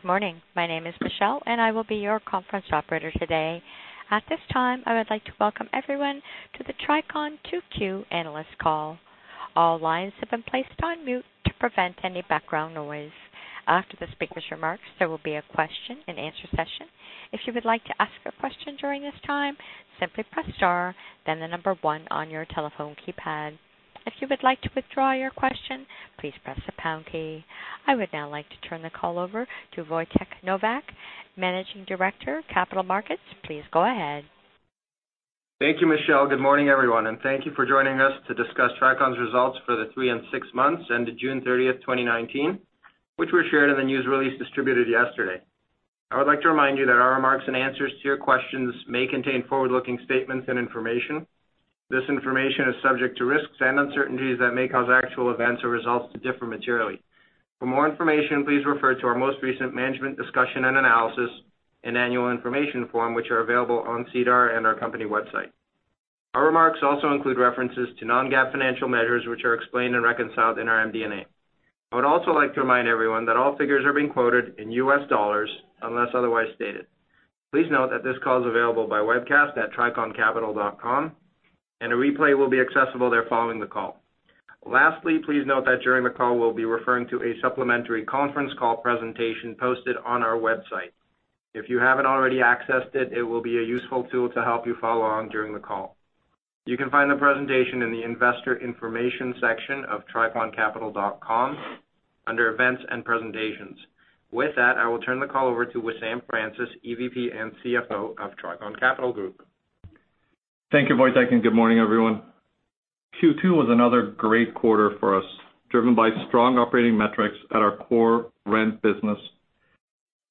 Good morning. My name is Michelle, and I will be your conference operator today. At this time, I would like to welcome everyone to the Tricon 2Q analyst call. All lines have been placed on mute to prevent any background noise. After the speaker's remarks, there will be a question and answer session. If you would like to ask a question during this time, simply press star, then the number one on your telephone keypad. If you would like to withdraw your question, please press the pound key. I would now like to turn the call over to Wojtek Nowak, Managing Director, Capital Markets. Please go ahead. Thank you, Michelle. Good morning, everyone, and thank you for joining us to discuss Tricon's results for the three and six months ended June 30th, 2019, which were shared in the news release distributed yesterday. I would like to remind you that our remarks and answers to your questions may contain forward-looking statements and information. This information is subject to risks and uncertainties that may cause actual events or results to differ materially. For more information, please refer to our most recent Management Discussion and Analysis and annual information form, which are available on SEDAR and our company website. Our remarks also include references to non-GAAP financial measures, which are explained and reconciled in our MD&A. I would also like to remind everyone that all figures are being quoted in U.S. dollars unless otherwise stated. Please note that this call is available by webcast at triconcapital.com, and a replay will be accessible there following the call. Lastly, please note that during the call, we'll be referring to a supplementary conference call presentation posted on our website. If you haven't already accessed it will be a useful tool to help you follow along during the call. You can find the presentation in the investor information section of triconcapital.com under events and presentations. With that, I will turn the call over to Wissam Francis, EVP and CFO of Tricon Capital Group. Thank you, Wojtek, and good morning, everyone. Q2 was another great quarter for us, driven by strong operating metrics at our core rent business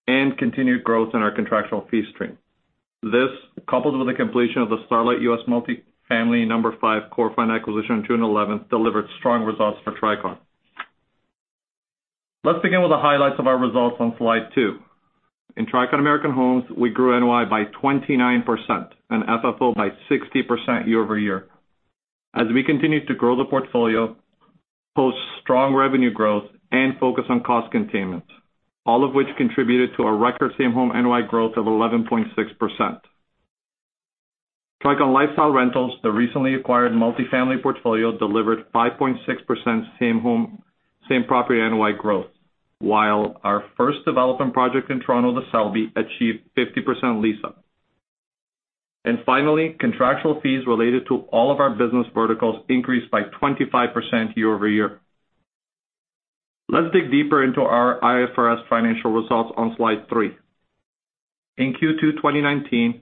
and continued growth in our contractual fee stream. This, coupled with the completion of the Starlight U.S. Multi-Family (No. 5) Core Fund acquisition on June 11th, delivered strong results for Tricon. Let's begin with the highlights of our results on slide two. In Tricon American Homes, we grew NOI by 29% and FFO by 60% year-over-year. As we continued to grow the portfolio, post strong revenue growth, and focus on cost containment, all of which contributed to our record same home NOI growth of 11.6%. Tricon Lifestyle Rentals, the recently acquired multi-family portfolio, delivered 5.6% same property NOI growth. While our first development project in Toronto, The Selby, achieved 50% lease-up. Finally, contractual fees related to all of our business verticals increased by 25% year-over-year. Let's dig deeper into our IFRS financial results on slide three. In Q2 2019,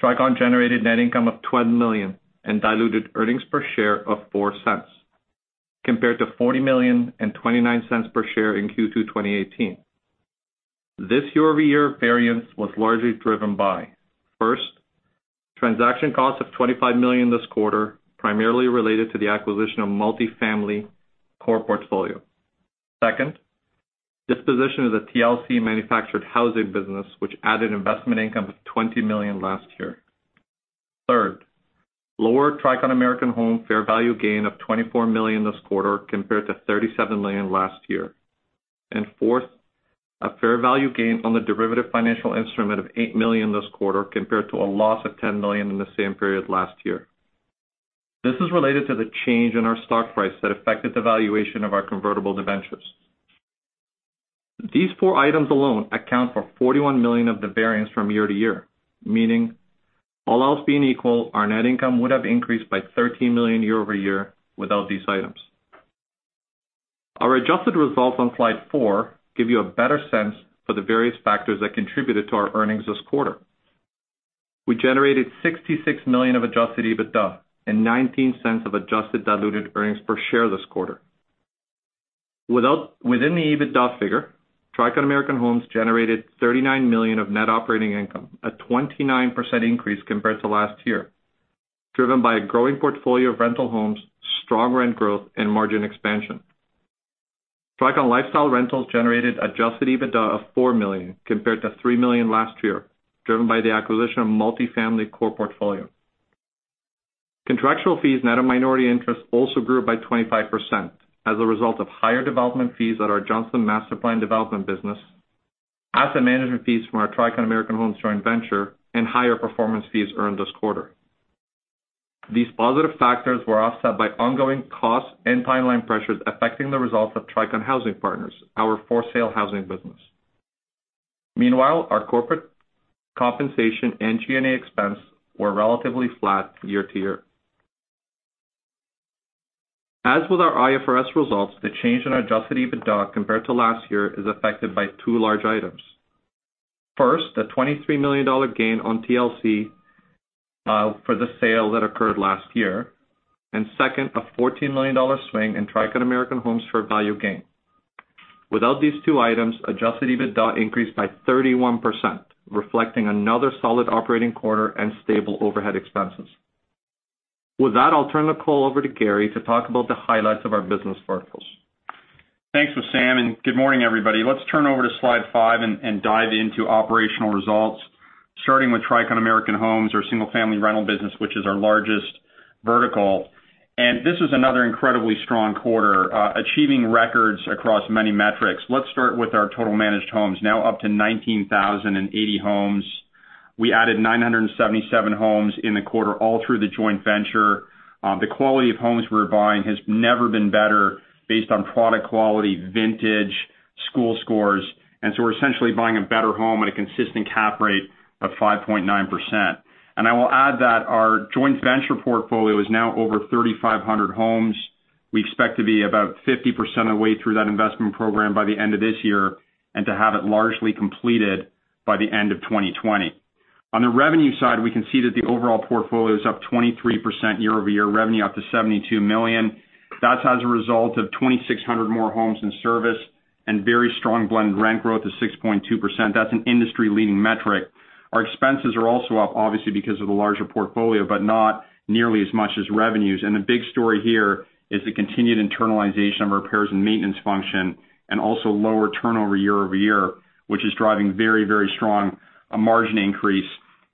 Tricon generated net income of $12 million and diluted earnings per share of $0.04, compared to $40 million and $0.29 per share in Q2 2018. This year-over-year variance was largely driven by, first, transaction costs of $25 million this quarter, primarily related to the acquisition of multi-family core portfolio. Second, disposition of the Tricon Lifestyle Communities manufactured housing business, which added investment income of $20 million last year. Third, lower Tricon American Homes fair value gain of $24 million this quarter, compared to $37 million last year. Fourth, a fair value gain on the derivative financial instrument of $8 million this quarter, compared to a loss of $10 million in the same period last year. This is related to the change in our stock price that affected the valuation of our convertible debentures. These four items alone account for $41 million of the variance from year-to-year, meaning all else being equal, our net income would have increased by $13 million year-over-year without these items. Our adjusted results on slide four give you a better sense for the various factors that contributed to our earnings this quarter. We generated $66 million of adjusted EBITDA and $0.19 of adjusted diluted earnings per share this quarter. Within the EBITDA figure, Tricon American Homes generated $39 million of net operating income, a 29% increase compared to last year, driven by a growing portfolio of rental homes, strong rent growth, and margin expansion. Tricon Lifestyle Rentals generated adjusted EBITDA of $4 million, compared to $3 million last year, driven by the acquisition of multi-family core portfolio. Contractual fees net of minority interest also grew by 25% as a result of higher development fees at our Johnson Development master-planned development business, asset management fees from our Tricon American Homes joint venture, and higher performance fees earned this quarter. These positive factors were offset by ongoing costs and timeline pressures affecting the results of Tricon Housing Partners, our for-sale housing business. Our corporate compensation and G&A expense were relatively flat year-to-year. As with our IFRS results, the change in our adjusted EBITDA compared to last year is affected by two large items. First, a $23 million gain on TLC for the sale that occurred last year. Second, a $14 million swing in Tricon American Homes fair value gain. Without these two items, adjusted EBITDA increased by 31%, reflecting another solid operating quarter and stable overhead expenses. With that, I'll turn the call over to Gary to talk about the highlights of our business verticals. Thanks, Wissam, and good morning, everybody. Let's turn over to slide five and dive into operational results. Starting with Tricon American Homes, our single-family rental business, which is our largest vertical. This was another incredibly strong quarter, achieving records across many metrics. Let's start with our total managed homes, now up to 19,080 homes. We added 977 homes in the quarter, all through the joint venture. The quality of homes we're buying has never been better based on product quality, vintage, school scores, so we're essentially buying a better home at a consistent cap rate of 5.9%. I will add that our joint venture portfolio is now over 3,500 homes. We expect to be about 50% of the way through that investment program by the end of this year, and to have it largely completed by the end of 2020. On the revenue side, we can see that the overall portfolio is up 23% year-over-year, revenue up to 72 million. That's as a result of 2,600 more homes in service and very strong blended rent growth of 6.2%. That's an industry-leading metric. Our expenses are also up, obviously because of the larger portfolio, but not nearly as much as revenues. The big story here is the continued internalization of our repairs and maintenance function, and also lower turnover year-over-year, which is driving very strong margin increase.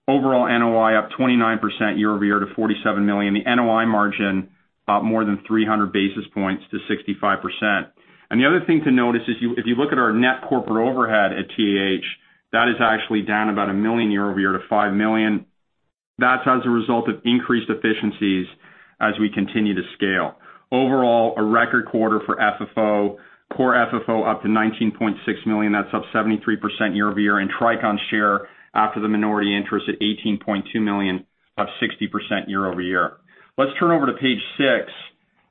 Overall NOI up 29% year-over-year to $47 million. The NOI margin, up more than 300 basis points to 65%. The other thing to notice is if you look at our net corporate overhead at TAH, that is actually down about $1 million year-over-year to $5 million. That's as a result of increased efficiencies as we continue to scale. Overall, a record quarter for FFO. Core FFO up to $19.6 million. That's up 73% year-over-year, and Tricon's share after the minority interest at $18.2 million, up 60% year-over-year. Let's turn over to page six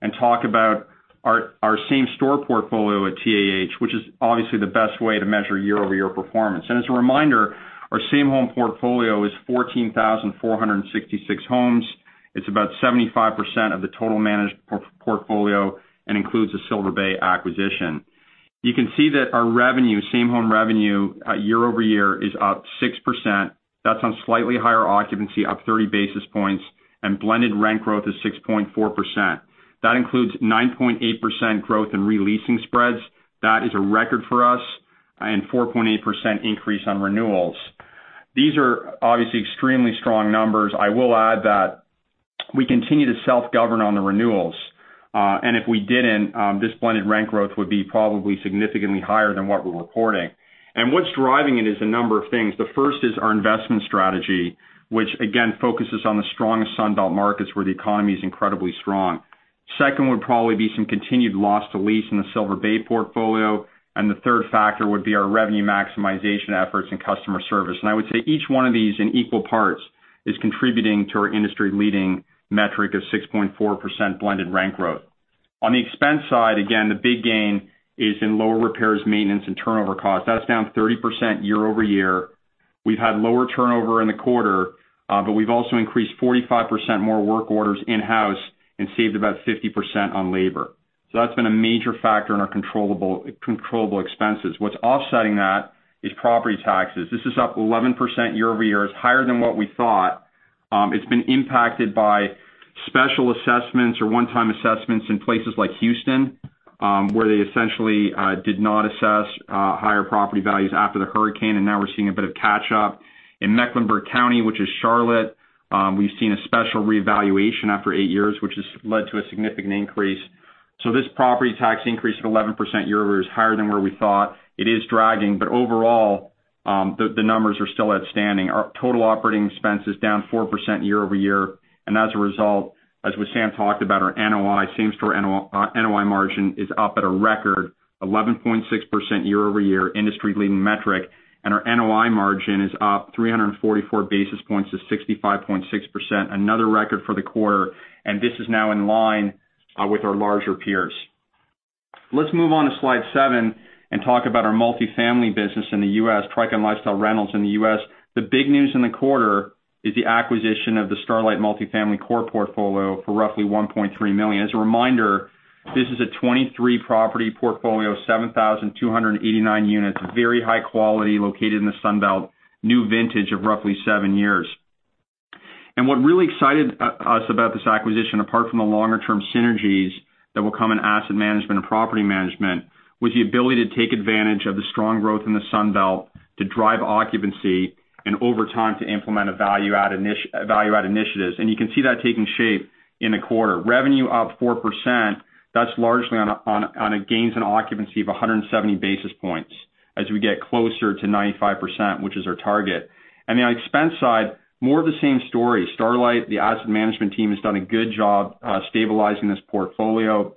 and talk about our same-store portfolio at TAH, which is obviously the best way to measure year-over-year performance. As a reminder, our same home portfolio is 14,466 homes. It's about 75% of the total managed portfolio and includes the Silver Bay acquisition. You can see that our revenue, same home revenue, year-over-year is up 6%. That's on slightly higher occupancy, up 30 basis points, and blended rent growth is 6.4%. That includes 9.8% growth in re-leasing spreads. That is a record for us, and 4.8% increase on renewals. These are obviously extremely strong numbers. I will add that we continue to self-govern on the renewals. If we didn't, this blended rent growth would be probably significantly higher than what we're reporting. What's driving it is a number of things. The first is our investment strategy, which again focuses on the strongest Sun Belt markets where the economy is incredibly strong. Second would probably be some continued loss to lease in the Silver Bay portfolio. The third factor would be our revenue maximization efforts and customer service. I would say each one of these in equal parts is contributing to our industry-leading metric of 6.4% blended rent growth. On the expense side, again, the big gain is in lower repairs, maintenance, and turnover costs. That's down 30% year-over-year. We've had lower turnover in the quarter, but we've also increased 45% more work orders in-house and saved about 50% on labor. That's been a major factor in our controllable expenses. What's offsetting that is property taxes. This is up 11% year-over-year. It's higher than what we thought. It's been impacted by special assessments or one-time assessments in places like Houston, where they essentially did not assess higher property values after the hurricane, and now we're seeing a bit of catch up. In Mecklenburg County, which is Charlotte, we've seen a special revaluation after eight years, which has led to a significant increase. This property tax increase of 11% year-over-year is higher than where we thought. It is dragging, but overall, the numbers are still outstanding. Our total operating expense is down 4% year-over-year. As a result, as Sam talked about, our NOI, same-store NOI margin is up at a record 11.6% year-over-year, industry-leading metric. Our NOI margin is up 344 basis points to 65.6%, another record for the quarter. This is now in line with our larger peers. Let's move on to slide seven and talk about our multi-family business in the U.S., Tricon Lifestyle Rentals in the U.S. The big news in the quarter is the acquisition of the Starlight Multi-family core portfolio for roughly $1.3 million. As a reminder, this is a 23-property portfolio, 7,289 units, very high quality, located in the Sun Belt, new vintage of roughly seven years. What really excited us about this acquisition, apart from the longer-term synergies that will come in asset management and property management, was the ability to take advantage of the strong growth in the Sun Belt to drive occupancy and over time to implement value-add initiatives. You can see that taking shape in the quarter. Revenue up 4%. That's largely on gains in occupancy of 170 basis points as we get closer to 95%, which is our target. On the expense side, more of the same story. Starlight, the asset management team, has done a good job stabilizing this portfolio.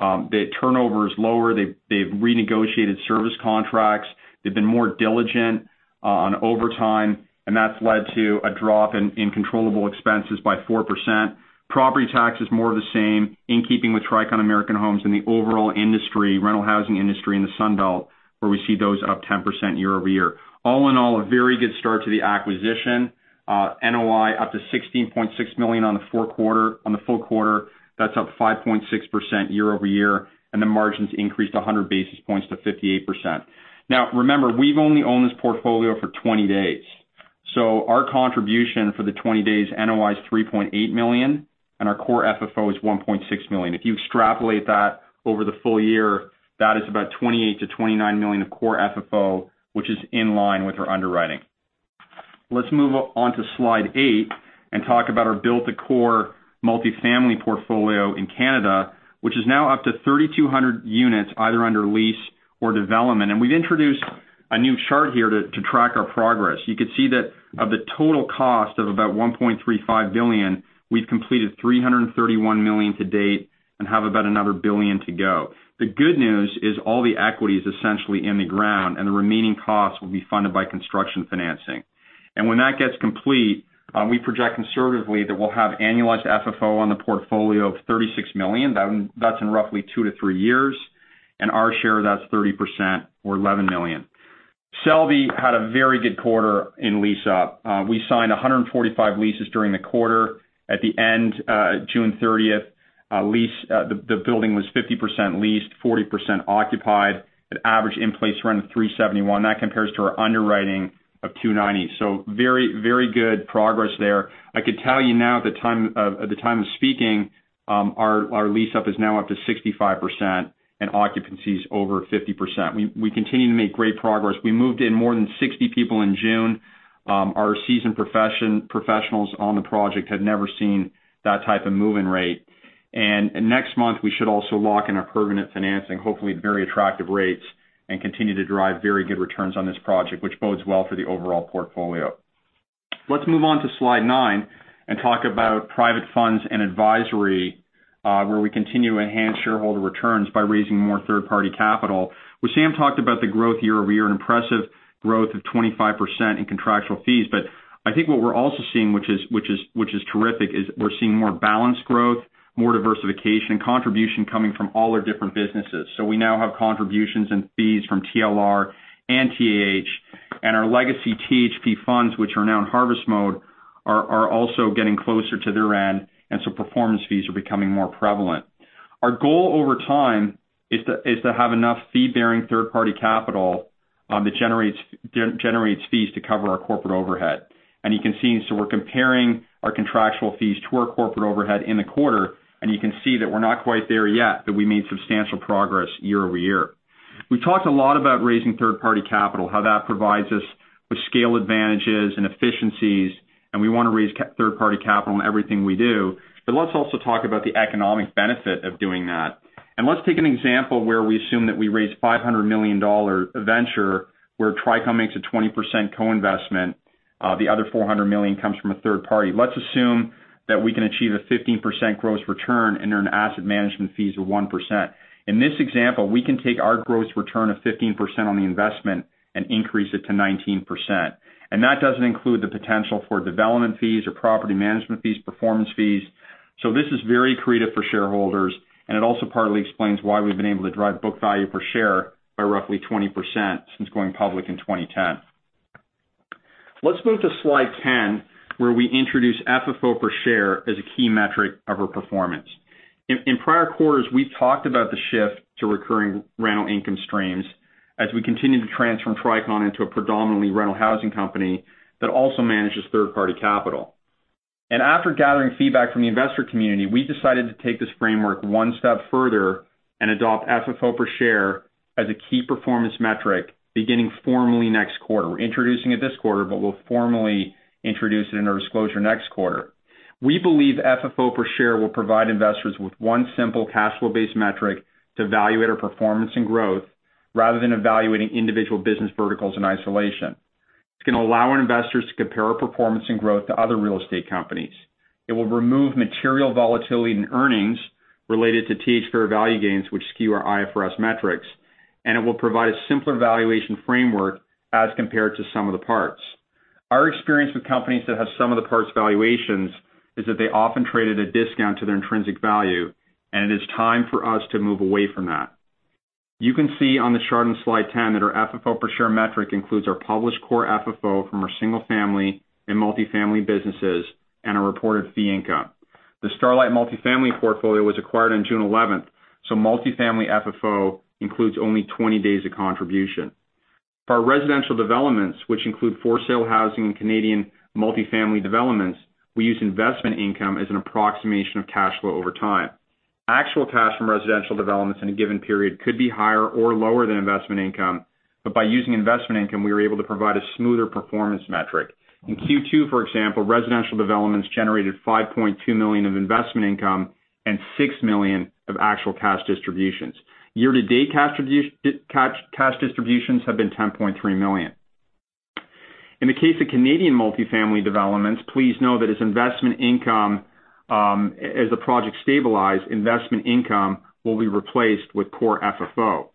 The turnover is lower. They've renegotiated service contracts. They've been more diligent on overtime, and that's led to a drop in controllable expenses by 4%. Property tax is more of the same in keeping with Tricon American Homes and the overall industry, rental housing industry in the Sun Belt, where we see those up 10% year-over-year. All in all, a very good start to the acquisition. NOI up to $16.6 million on the full quarter. That's up 5.6% year-over-year, and the margins increased 100 basis points to 58%. Now, remember, we've only owned this portfolio for 20 days. Our contribution for the 20 days NOI is $3.8 million, and our core FFO is $1.6 million. If you extrapolate that over the full year, that is about $28 million-$29 million of core FFO, which is in line with our underwriting. Let's move on to slide eight and talk about our build-to-core multifamily portfolio in Canada, which is now up to 3,200 units, either under lease or development. We've introduced a new chart here to track our progress. You could see that of the total cost of about $1.35 billion, we've completed $331 million to date and have about another $1 billion to go. The good news is all the equity is essentially in the ground, and the remaining costs will be funded by construction financing. When that gets complete, we project conservatively that we'll have annualized FFO on the portfolio of $36 million. That's in roughly two to three years, and our share of that is 30%, or $11 million. Selby had a very good quarter in lease-up. We signed 145 leases during the quarter. At the end, June 30th, the building was 50% leased, 40% occupied, at average in-place rent of $371. That compares to our underwriting of $290. Very good progress there. I could tell you now at the time of speaking, our lease-up is now up to 65%, and occupancy is over 50%. We continue to make great progress. We moved in more than 60 people in June. Our seasoned professionals on the project had never seen that type of move-in rate. Next month, we should also lock in our permanent financing, hopefully at very attractive rates, and continue to drive very good returns on this project, which bodes well for the overall portfolio. Let's move on to slide nine and talk about private funds and advisory, where we continue to enhance shareholder returns by raising more third-party capital, which Sam talked about the growth year-over-year, an impressive growth of 25% in contractual fees. I think what we're also seeing, which is terrific, is we're seeing more balanced growth, more diversification, and contribution coming from all our different businesses. We now have contributions and fees from TLR and TH. Our legacy THP funds, which are now in harvest mode, are also getting closer to their end, performance fees are becoming more prevalent. Our goal over time is to have enough fee-bearing third-party capital that generates fees to cover our corporate overhead. You can see, we're comparing our contractual fees to our corporate overhead in the quarter, and you can see that we're not quite there yet, but we made substantial progress year-over-year. We've talked a lot about raising third-party capital, how that provides us with scale advantages and efficiencies, and we want to raise third-party capital on everything we do. Let's also talk about the economic benefit of doing that. Let's take an example where we assume that we raise $500 million venture, where Tricon makes a 20% co-investment. The other $400 million comes from a third party. Let's assume that we can achieve a 15% gross return and earn asset management fees of 1%. In this example, we can take our gross return of 15% on the investment and increase it to 19%. That doesn't include the potential for development fees or property management fees, performance fees. This is very accretive for shareholders, and it also partly explains why we've been able to drive book value per share by roughly 20% since going public in 2010. Let's move to slide 10, where we introduce FFO per share as a key metric of our performance. In prior quarters, we talked about the shift to recurring rental income streams as we continue to transform Tricon into a predominantly rental housing company that also manages third-party capital. After gathering feedback from the investor community, we decided to take this framework one step further and adopt FFO per share as a key performance metric beginning formally next quarter. We're introducing it this quarter, but we'll formally introduce it in our disclosure next quarter. We believe FFO per share will provide investors with one simple cash flow-based metric to evaluate our performance and growth rather than evaluating individual business verticals in isolation. It's going to allow our investors to compare our performance and growth to other real estate companies. It will remove material volatility in earnings related to TH fair value gains, which skew our IFRS metrics. It will provide a simpler valuation framework as compared to sum of the parts. Our experience with companies that have sum of the parts valuations is that they often trade at a discount to their intrinsic value, and it is time for us to move away from that. You can see on the chart in slide 10 that our FFO per share metric includes our published core FFO from our single-family and multifamily businesses and our reported fee income. The Starlight multifamily portfolio was acquired on June 11th, multifamily FFO includes only 20 days of contribution. For our residential developments, which include for-sale housing and Canadian multifamily developments, we use investment income as an approximation of cash flow over time. Actual cash from residential developments in a given period could be higher or lower than investment income, by using investment income, we were able to provide a smoother performance metric. In Q2, for example, residential developments generated $5.2 million of investment income and $6 million of actual cash distributions. Year-to-date cash distributions have been $10.3 million. In the case of Canadian multifamily developments, please know that as the project stabilize, investment income will be replaced with core FFO.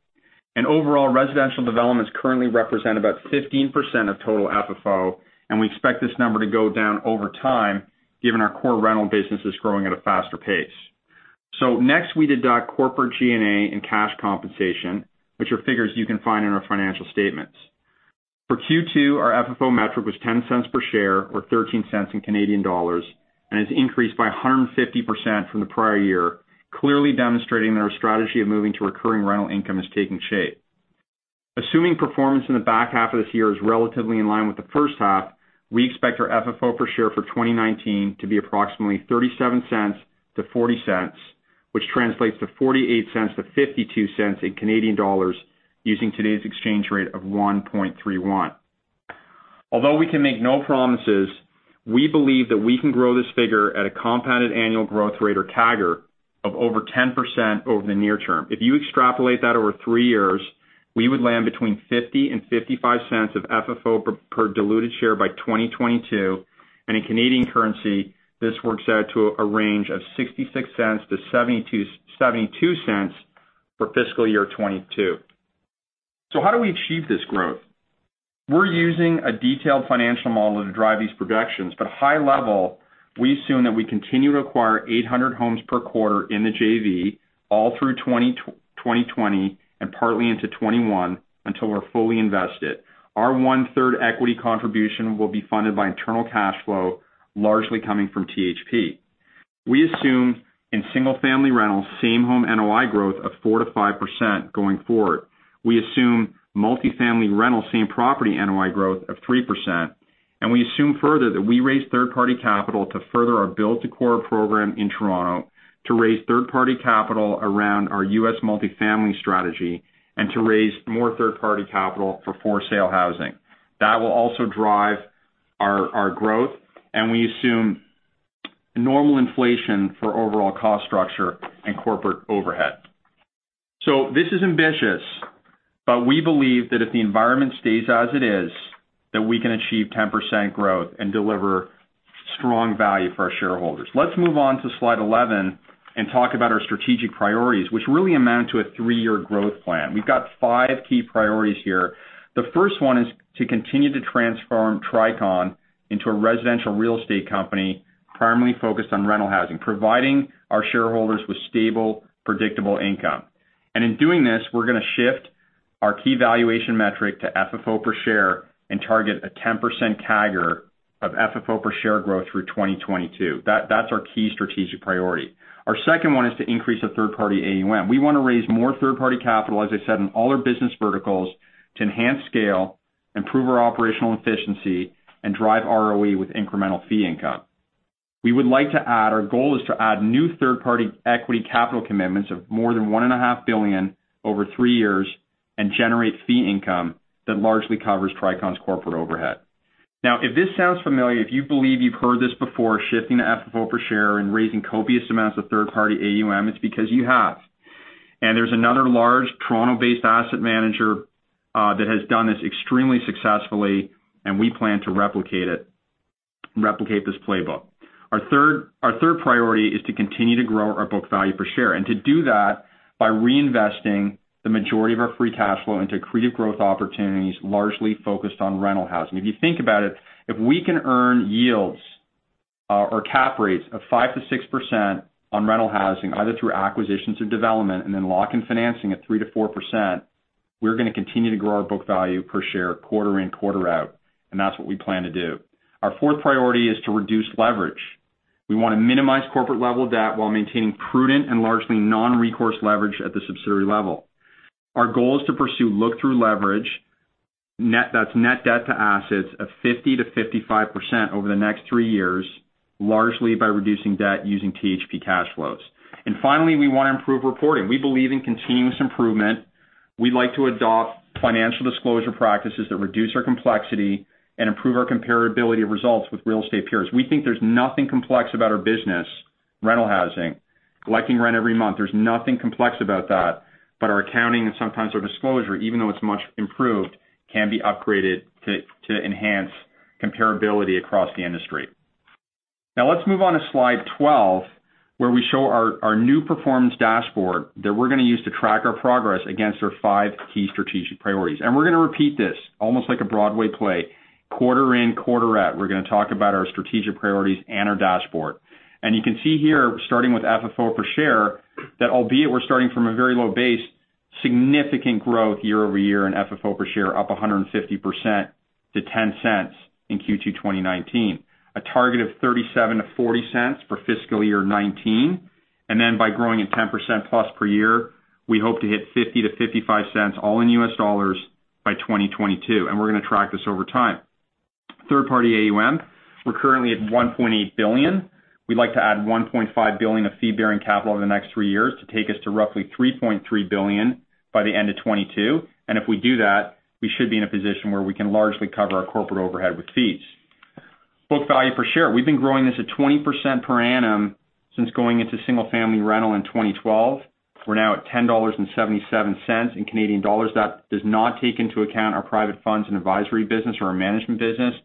Overall, residential developments currently represent about 15% of total FFO, and we expect this number to go down over time given our core rental business is growing at a faster pace. Next, we deduct corporate G&A and cash compensation, which are figures you can find in our financial statements. For Q2, our FFO metric was $0.10 per share or 0.13 in Canadian dollars and has increased by 150% from the prior year, clearly demonstrating that our strategy of moving to recurring rental income is taking shape. Assuming performance in the back half of this year is relatively in line with the first half, we expect our FFO per share for 2019 to be approximately $0.37-$0.40, which translates to 0.48-0.52 in Canadian dollars using today's exchange rate of 1.31. Although we can make no promises, we believe that we can grow this figure at a compounded annual growth rate or CAGR of over 10% over the near term. If you extrapolate that over three years, we would land between $0.50 and $0.55 of FFO per diluted share by 2022. In Canadian currency, this works out to a range of 0.66 to 0.72 for fiscal year 2022. How do we achieve this growth? We're using a detailed financial model to drive these projections, but high level, we assume that we continue to acquire 800 homes per quarter in the JV all through 2020 and partly into 2021 until we're fully invested. Our one-third equity contribution will be funded by internal cash flow, largely coming from THP. We assume in single-family rentals, same home NOI growth of 4%-5% going forward. We assume multifamily rental same property NOI growth of 3%. We assume further that we raise third-party capital to further our build to core program in Toronto to raise third-party capital around our U.S. multifamily strategy and to raise more third-party capital for for-sale housing. That will also drive our growth. We assume normal inflation for overall cost structure and corporate overhead. This is ambitious, but we believe that if the environment stays as it is, that we can achieve 10% growth and deliver strong value for our shareholders. Let's move on to slide 11 and talk about our strategic priorities, which really amount to a three-year growth plan. We've got five key priorities here. The first one is to continue to transform Tricon into a residential real estate company, primarily focused on rental housing, providing our shareholders with stable, predictable income. In doing this, we're going to shift our key valuation metric to FFO per share and target a 10% CAGR of FFO per share growth through 2022. That's our key strategic priority. Our second one is to increase the third-party AUM. We want to raise more third-party capital, as I said, in all our business verticals to enhance scale, improve our operational efficiency, and drive ROE with incremental fee income. We would like to add, our goal is to add new third-party equity capital commitments of more than $1.5 billion over three years and generate fee income that largely covers Tricon's corporate overhead. Now, if this sounds familiar, if you believe you've heard this before, shifting the FFO per share and raising copious amounts of third-party AUM, it's because you have. There's another large Toronto-based asset manager that has done this extremely successfully, and we plan to replicate this playbook. Our third priority is to continue to grow our book value per share, and to do that by reinvesting the majority of our free cash flow into accretive growth opportunities, largely focused on rental housing. If you think about it, if we can earn yields or cap rates of 5% to 6% on rental housing, either through acquisitions or development, and then lock in financing at 3% to 4%, we're going to continue to grow our book value per share quarter in, quarter out, and that's what we plan to do. Our fourth priority is to reduce leverage. We want to minimize corporate level debt while maintaining prudent and largely non-recourse leverage at the subsidiary level. Our goal is to pursue look-through leverage. That's net debt to assets of 50% to 55% over the next three years, largely by reducing debt using THP cash flows. Finally, we want to improve reporting. We believe in continuous improvement. We'd like to adopt financial disclosure practices that reduce our complexity and improve our comparability of results with real estate peers. We think there's nothing complex about our business, rental housing, collecting rent every month. There's nothing complex about that. Our accounting and sometimes our disclosure, even though it's much improved, can be upgraded to enhance comparability across the industry. Now let's move on to slide 12, where we show our new performance dashboard that we're going to use to track our progress against our five key strategic priorities. We're going to repeat this almost like a Broadway play, quarter in, quarter out. We're going to talk about our strategic priorities and our dashboard. You can see here, starting with FFO per share, that albeit we're starting from a very low base, significant growth year-over-year in FFO per share, up 150% to $0.10 in Q2 2019. A target of $0.37-$0.40 for fiscal year 2019. By growing at 10%+ per year, we hope to hit $0.50-$0.55, all in U.S. dollars, by 2022. We're going to track this over time. Third party AUM, we're currently at $1.8 billion. We'd like to add $1.5 billion of fee-bearing capital over the next three years to take us to roughly $3.3 billion by the end of 2022. If we do that, we should be in a position where we can largely cover our corporate overhead with fees. Book value per share. We've been growing this at 20% per annum since going into single-family rental in 2012. We're now at 10.77 dollars in Canadian dollars. That does not take into account our private funds and advisory business or our management business.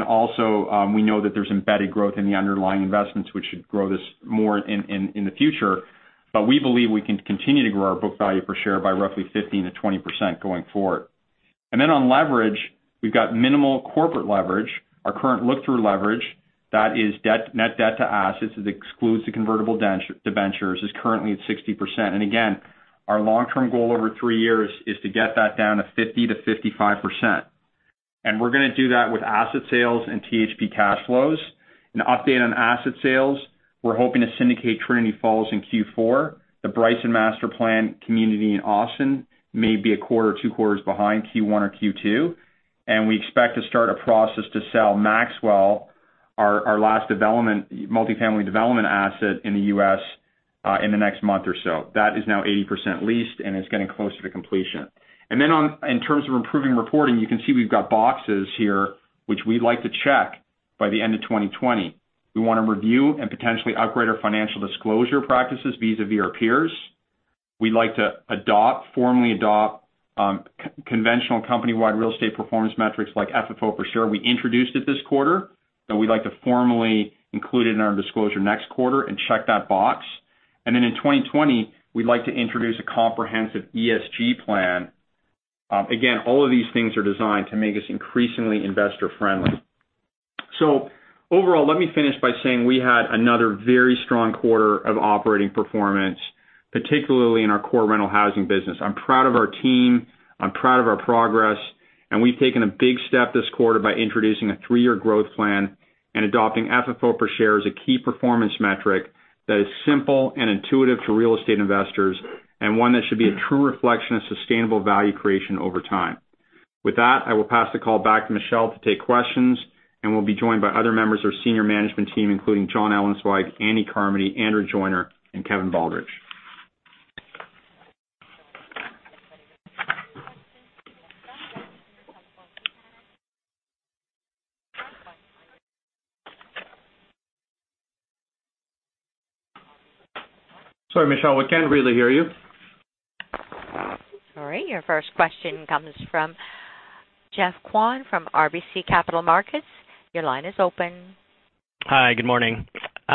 Also, we know that there's embedded growth in the underlying investments, which should grow this more in the future. We believe we can continue to grow our book value per share by roughly 15%-20% going forward. Then on leverage, we've got minimal corporate leverage. Our current look-through leverage, that is net debt to assets, this excludes the convertible debentures, is currently at 60%. Again, our long-term goal over 3 years is to get that down to 50%-55%. We're going to do that with asset sales and THP cash flows. An update on asset sales. We're hoping to syndicate Trinity Falls in Q4. The Bryson Master Plan community in Austin may be a quarter or two quarters behind Q1 or Q2. We expect to start a process to sell Maxwell, our last multifamily development asset in the U.S., in the next month or so. That is now 80% leased, and it's getting close to completion. In terms of improving reporting, you can see we've got boxes here, which we'd like to check by the end of 2020. We want to review and potentially upgrade our financial disclosure practices vis-a-vis our peers. We'd like to formally adopt conventional company-wide real estate performance metrics like FFO per share. We introduced it this quarter, and we'd like to formally include it in our disclosure next quarter and check that box. In 2020, we'd like to introduce a comprehensive ESG plan. Again, all of these things are designed to make us increasingly investor-friendly. Overall, let me finish by saying we had another very strong quarter of operating performance, particularly in our core rental housing business. I'm proud of our team, I'm proud of our progress, and we've taken a big step this quarter by introducing a three-year growth plan and adopting FFO per share as a key performance metric that is simple and intuitive to real estate investors, and one that should be a true reflection of sustainable value creation over time. With that, I will pass the call back to Michelle to take questions, and we'll be joined by other members of our senior management team, including Jon Ellenzweig, Andy Carmody, Andrew Joyner, and Kevin Baldridge. Sorry, Michelle, we can't really hear you. Sorry. Your first question comes from Geoffrey Kwan from RBC Capital Markets. Your line is open. Hi, good morning.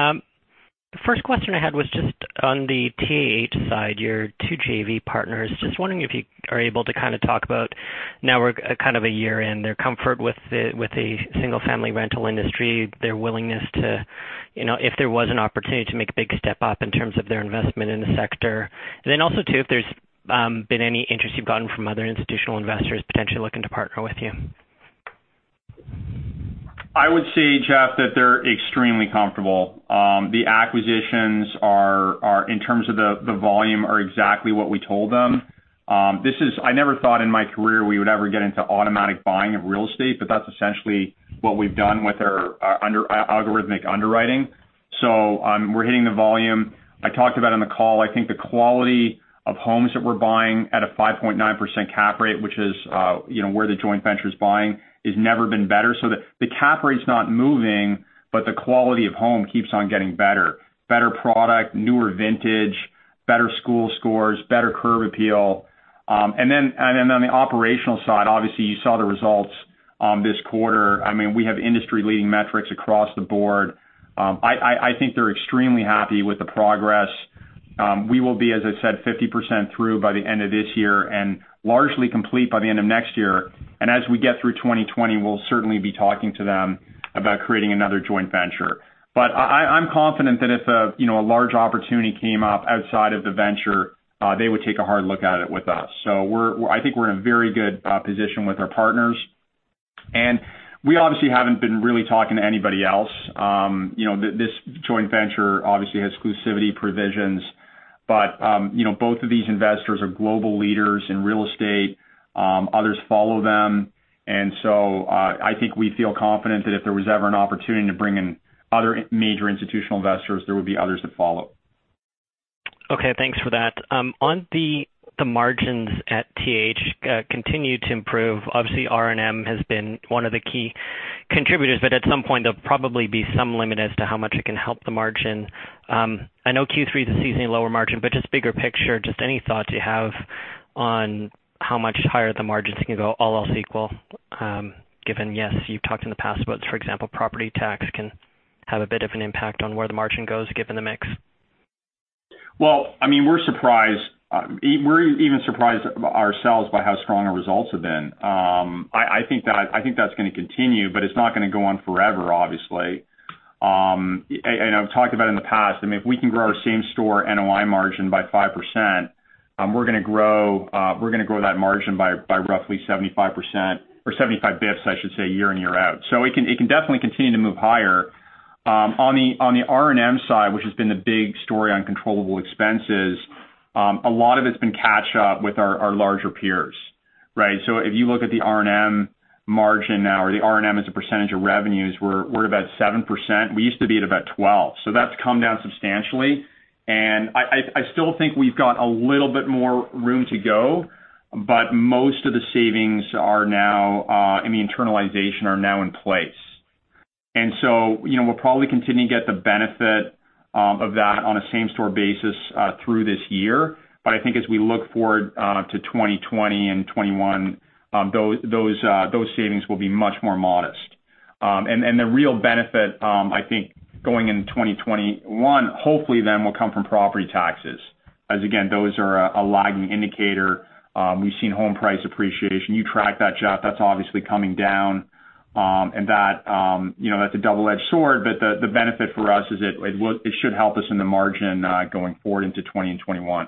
The first question I had was just on the TAH side, your two JV partners. Just wondering if you are able to kind of talk about now we're kind of a year in, their comfort with the single-family rental industry, their willingness to, if there was an opportunity to make a big step up in terms of their investment in the sector. Also too, if there's been any interest you've gotten from other institutional investors potentially looking to partner with you. I would say, Jeff, that they're extremely comfortable. The acquisitions, in terms of the volume, are exactly what we told them. I never thought in my career we would ever get into automatic buying of real estate, but that's essentially what we've done with our algorithmic underwriting. We're hitting the volume. I talked about on the call, I think the quality of homes that we're buying at a 5.9% cap rate, which is where the joint venture is buying, has never been better. The cap rate's not moving, but the quality of home keeps on getting better. Better product, newer vintage, better school scores, better curb appeal. Then on the operational side, obviously, you saw the results this quarter. I think they're extremely happy with the progress. We will be, as I said, 50% through by the end of this year, and largely complete by the end of next year. As we get through 2020, we'll certainly be talking to them about creating another joint venture. I'm confident that if a large opportunity came up outside of the venture, they would take a hard look at it with us. I think we're in a very good position with our partners. We obviously haven't been really talking to anybody else. This joint venture obviously has exclusivity provisions, but both of these investors are global leaders in real estate. Others follow them, and so I think we feel confident that if there was ever an opportunity to bring in other major institutional investors, there would be others that follow. Okay, thanks for that. On the margins at TAH continue to improve. Obviously, R&M has been one of the key contributors, but at some point, there'll probably be some limit as to how much it can help the margin. I know Q3 is a seasonally lower margin, but just bigger picture, just any thoughts you have on how much higher the margins can go, all else equal, given yes, you've talked in the past about, for example, property tax can have a bit of an impact on where the margin goes given the mix. Well, we're even surprised ourselves by how strong our results have been. I think that's going to continue, but it's not going to go on forever, obviously. I've talked about in the past, if we can grow our same store NOI margin by 5%, we're going to grow that margin by roughly 75%, or 75 basis points, I should say, year in/year out. It can definitely continue to move higher. On the R&M side, which has been the big story on controllable expenses, a lot of it's been catch up with our larger peers. Right? If you look at the R&M margin now, or the R&M as a percentage of revenues, we're about 7%. We used to be at about 12%. That's come down substantially. I still think we've got a little bit more room to go, but most of the savings and the internalization are now in place. We'll probably continue to get the benefit of that on a same store basis through this year. I think as we look forward to 2020 and 2021, those savings will be much more modest. The real benefit, I think going into 2021, hopefully then will come from property taxes, as again, those are a lagging indicator. We've seen home price appreciation. You track that, Jeff. That's obviously coming down, and that's a double-edged sword, but the benefit for us is it should help us in the margin going forward into 2020 and 2021.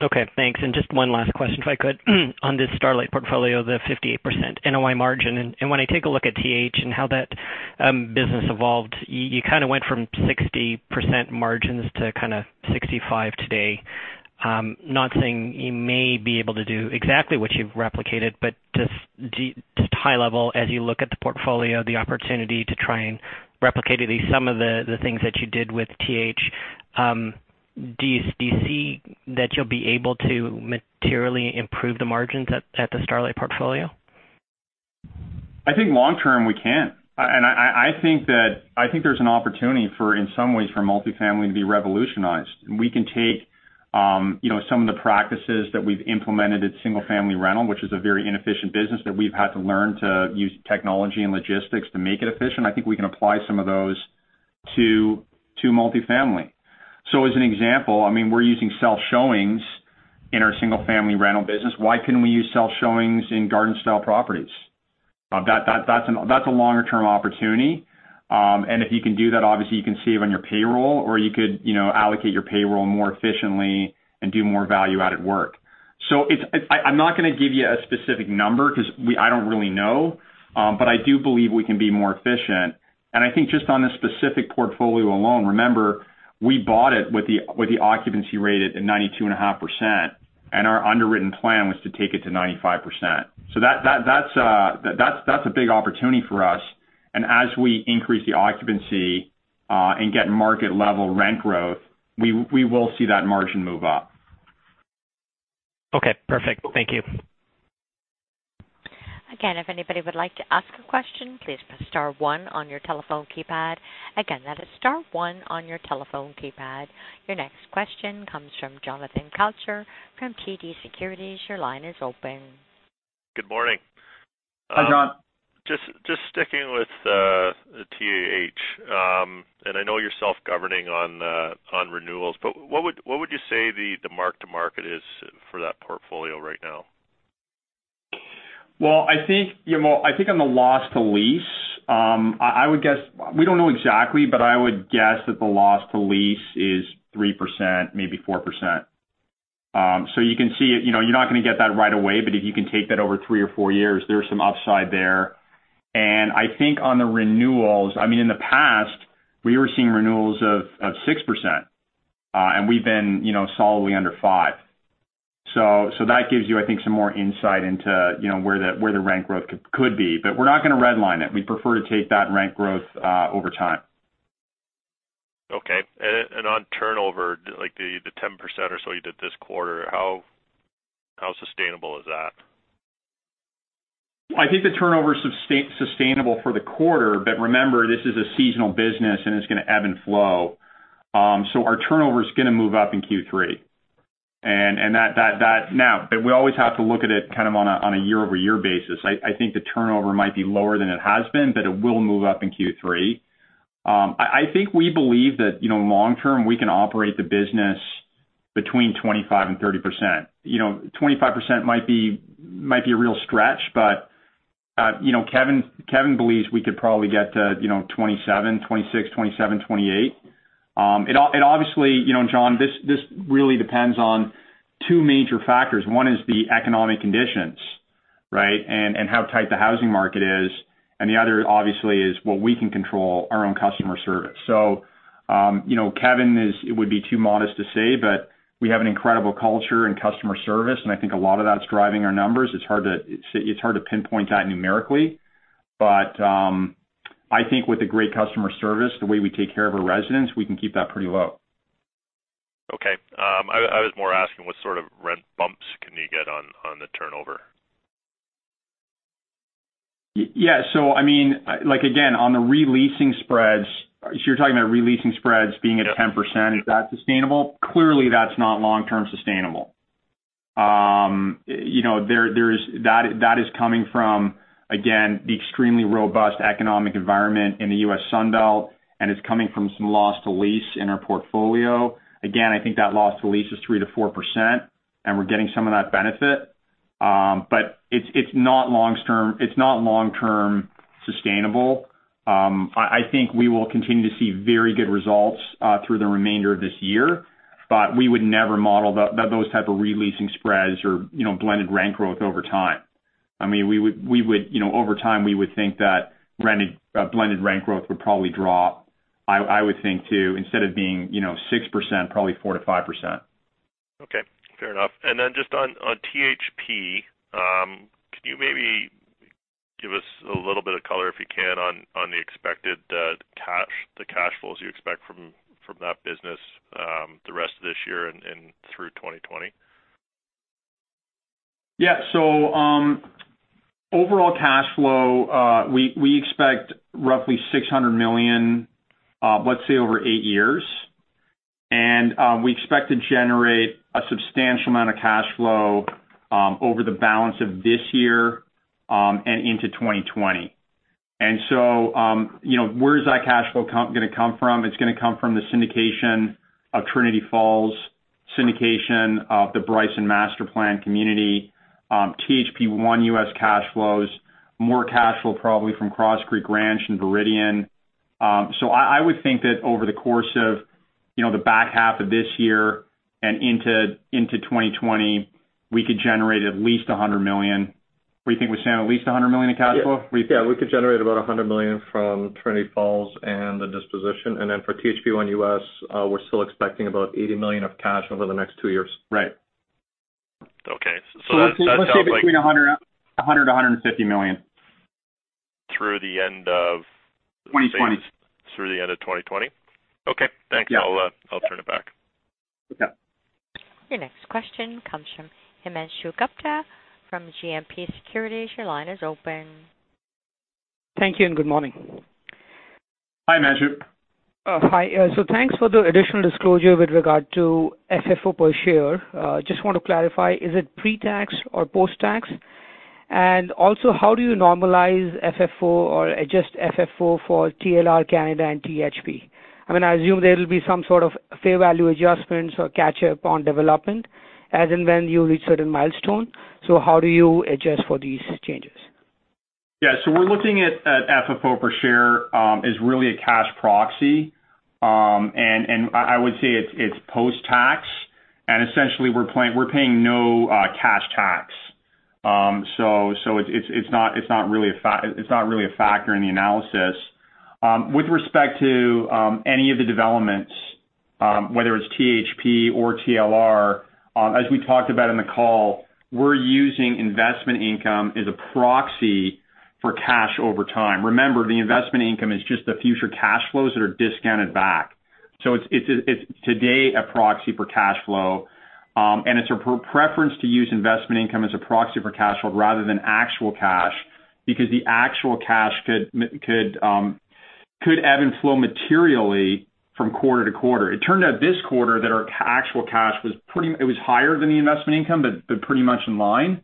Okay, thanks. Just one last question, if I could. On this Starlight portfolio, the 58% NOI margin. When I take a look at TH and how that business evolved, you kind of went from 60% margins to 65% today. Not saying you may be able to do exactly what you've replicated, but just high level, as you look at the portfolio, the opportunity to try and replicate at least some of the things that you did with TH. Do you see that you'll be able to materially improve the margins at the Starlight portfolio? I think long-term, we can. I think there's an opportunity, in some ways, for multifamily to be revolutionized. We can take some of the practices that we've implemented at single-family rental, which is a very inefficient business that we've had to learn to use technology and logistics to make it efficient. I think we can apply some of those to multifamily. As an example, we're using self-showings in our single-family rental business. Why couldn't we use self-showings in garden-style properties? That's a longer-term opportunity. If you can do that, obviously, you can save on your payroll, or you could allocate your payroll more efficiently and do more value-added work. I'm not going to give you a specific number because I don't really know. I do believe we can be more efficient, and I think just on this specific portfolio alone, remember, we bought it with the occupancy rate at 92.5%, and our underwritten plan was to take it to 95%. That's a big opportunity for us, and as we increase the occupancy, and get market-level rent growth, we will see that margin move up. Okay, perfect. Thank you. Again, if anybody would like to ask a question, please press star one on your telephone keypad. Again, that is star one on your telephone keypad. Your next question comes from Jonathan Kelcher from TD Securities. Your line is open. Good morning. Hi, Jon. Just sticking with TAH. I know you're self-governing on renewals, but what would you say the mark to market is for that portfolio right now? I think on the loss to lease, we don't know exactly, but I would guess that the loss to lease is 3%, maybe 4%. You can see, you're not going to get that right away, but if you can take that over three or four years, there's some upside there. I think on the renewals, in the past, we were seeing renewals of 6%, and we've been solidly under 5%. That gives you, I think, some more insight into where the rent growth could be. We're not going to red line it. We prefer to take that rent growth over time. Okay. On turnover, like the 10% or so you did this quarter, how sustainable is that? I think the turnover's sustainable for the quarter, but remember, this is a seasonal business, and it's going to ebb and flow. Our turnover is going to move up in Q3. We always have to look at it kind of on a year-over-year basis. I think the turnover might be lower than it has been, but it will move up in Q3. I think we believe that long term, we can operate the business between 25% and 30%. 25% might be a real stretch, but Kevin believes we could probably get to 26, 27, 28. Obviously, Jon, this really depends on two major factors. One is the economic conditions, right, and how tight the housing market is, and the other obviously is what we can control, our own customer service. Kevin would be too modest to say, but we have an incredible culture in customer service, and I think a lot of that's driving our numbers. It's hard to pinpoint that numerically. I think with the great customer service, the way we take care of our residents, we can keep that pretty low. Okay. I was more asking what sort of rent bumps can you get on the turnover? Again, on the re-leasing spreads, you're talking about re-leasing spreads being at 10%, is that sustainable? Clearly, that's not long-term sustainable. That is coming from, again, the extremely robust economic environment in the U.S. Sun Belt, and it's coming from some loss to lease in our portfolio. Again, I think that loss to lease is 3%-4% and we're getting some of that benefit. It's not long-term sustainable. I think we will continue to see very good results through the remainder of this year, but we would never model those type of re-leasing spreads or blended rent growth over time. Over time, we would think that blended rent growth would probably drop. I would think too, instead of being 6%, probably 4%-5%. Okay, fair enough. Just on THP, can you maybe give us a little bit of color if you can, on the expected cash flows you expect from that business the rest of this year and through 2020? Yeah. Overall cash flow, we expect roughly $600 million, let's say over eight years, and we expect to generate a substantial amount of cash flow over the balance of this year, and into 2020. Where is that cash flow going to come from? It's going to come from the syndication of Trinity Falls, syndication of the Bryson Master Plan community, THP1 U.S. cash flows, more cash flow probably from Cross Creek Ranch and Viridian. I would think that over the course of the back half of this year and into 2020, we could generate at least $100 million. What do you think we're saying, at least $100 million in cash flow? Yeah, we could generate about $100 million from Trinity Falls and the disposition. For THP1 US, we're still expecting about $80 million of cash over the next two years. Right. Okay. Let's say between 100 million to 150 million. Through the end of 2020. Through the end of 2020? Okay. Thanks. Yeah. I'll turn it back. Okay. Your next question comes from Himanshu Gupta from GMP Securities. Your line is open. Thank you and good morning. Hi, Himanshu. Hi. Thanks for the additional disclosure with regard to FFO per share. Just want to clarify, is it pre-tax or post-tax? Also, how do you normalize FFO or adjust FFO for TLR Canada and THP? I assume there will be some sort of fair value adjustments or catch up on development as and when you reach certain milestones. How do you adjust for these changes? Yeah. We're looking at FFO per share as really a cash proxy. I would say it's post-tax, and essentially, we're paying no cash tax. It's not really a factor in the analysis. With respect to any of the developments, whether it's THP or TLR, as we talked about in the call, we're using investment income as a proxy for cash over time. Remember, the investment income is just the future cash flows that are discounted back. It's today a proxy for cash flow, and it's a preference to use investment income as a proxy for cash flow rather than actual cash, because the actual cash could ebb and flow materially from quarter to quarter. It turned out this quarter that our actual cash was higher than the investment income, but pretty much in line.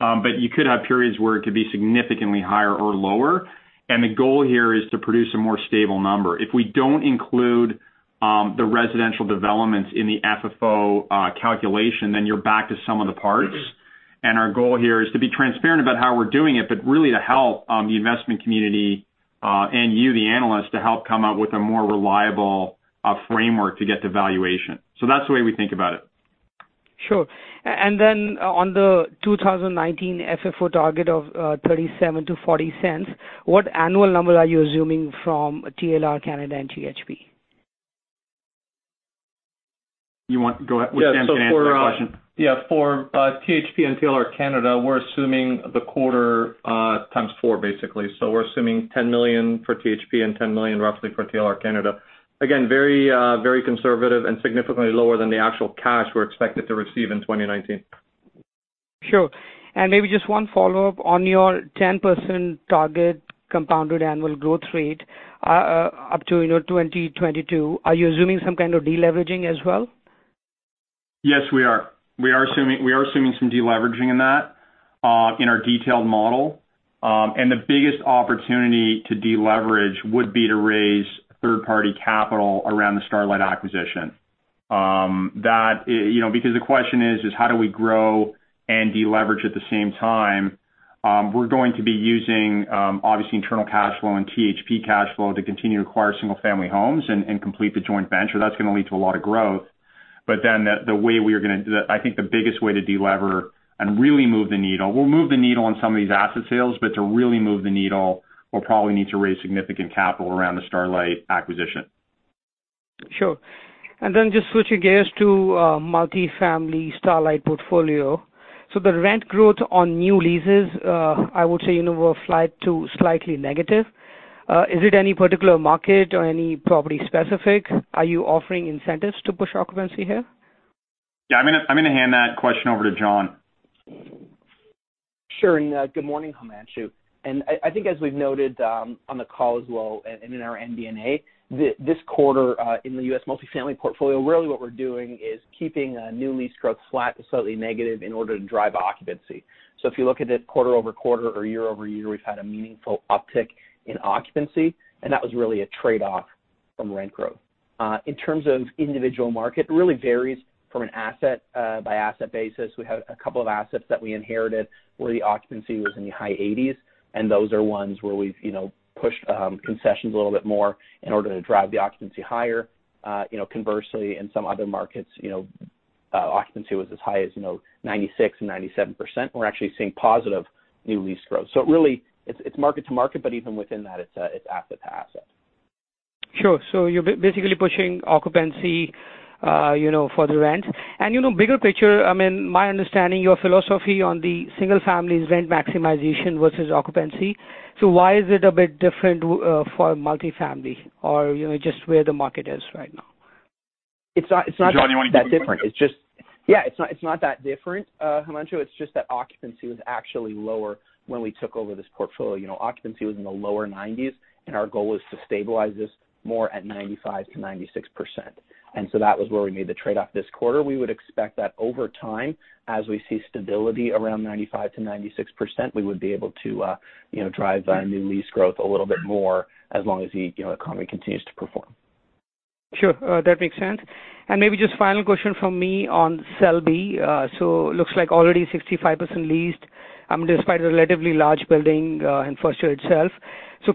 You could have periods where it could be significantly higher or lower, and the goal here is to produce a more stable number. If we don't include the residential developments in the FFO calculation, then you're back to sum of the parts. Our goal here is to be transparent about how we're doing it, but really to help the investment community and you, the analysts, to help come up with a more reliable framework to get to valuation. That's the way we think about it. Sure. On the 2019 FFO target of $0.37-$0.40, what annual number are you assuming from TLR Canada and THP? You want go a--. Yeah. Wissam, do you want to take that question? Yeah. For THP and TLR Canada, we're assuming the quarter times four basically. We're assuming 10 million for THP and 10 million roughly for TLR Canada. Again, very conservative and significantly lower than the actual cash we're expected to receive in 2019. Sure. Maybe just one follow-up. On your 10% target compounded annual growth rate up to 2022, are you assuming some kind of deleveraging as well? Yes, we are. We are assuming some deleveraging in that in our detailed model. The biggest opportunity to deleverage would be to raise third-party capital around the Starlight acquisition. The question is, how do we grow and deleverage at the same time? We're going to be using, obviously, internal cash flow and THP cash flow to continue to acquire single-family homes and complete the joint venture. That's going to lead to a lot of growth. I think the biggest way to delever and really move the needle We'll move the needle on some of these asset sales, but to really move the needle, we'll probably need to raise significant capital around the Starlight acquisition. Sure. Just switching gears to Multi-Family Starlight portfolio. The rent growth on new leases, I would say, were flat to slightly negative. Is it any particular market or any property specific? Are you offering incentives to push occupancy here? Yeah, I'm going to hand that question over to Jon. Sure, good morning, Himanshu. I think as we've noted on the call as well, in our MD&A, this quarter in the U.S. multifamily portfolio, really what we're doing is keeping new lease growth flat to slightly negative in order to drive occupancy. If you look at it quarter-over-quarter or year-over-year, we've had a meaningful uptick in occupancy, and that was really a trade-off from rent growth. In terms of individual market, it really varies from an asset by asset basis. We have a couple of assets that we inherited where the occupancy was in the high eighties, and those are ones where we've pushed concessions a little bit more in order to drive the occupancy higher. Conversely, in some other markets, occupancy was as high as 96% and 97%, and we're actually seeing positive new lease growth. Really, it's market to market, but even within that, it's asset to asset. Sure. You're basically pushing occupancy for the rent. Bigger picture, my understanding, your philosophy on the single family is rent maximization versus occupancy. Why is it a bit different for multifamily, or just where the market is right now? It's not that different. Jon, you want to take this one? Yeah, it's not that different, Himanshu. It's just that occupancy was actually lower when we took over this portfolio. Occupancy was in the lower nineties. Our goal was to stabilize this more at 95%-96%. That was where we made the trade-off this quarter. We would expect that over time, as we see stability around 95%-96%, we would be able to drive new lease growth a little bit more as long as the economy continues to perform. Sure. That makes sense. Maybe just final question from me on Selby. Looks like already 65% leased, despite a relatively large building, in first year itself.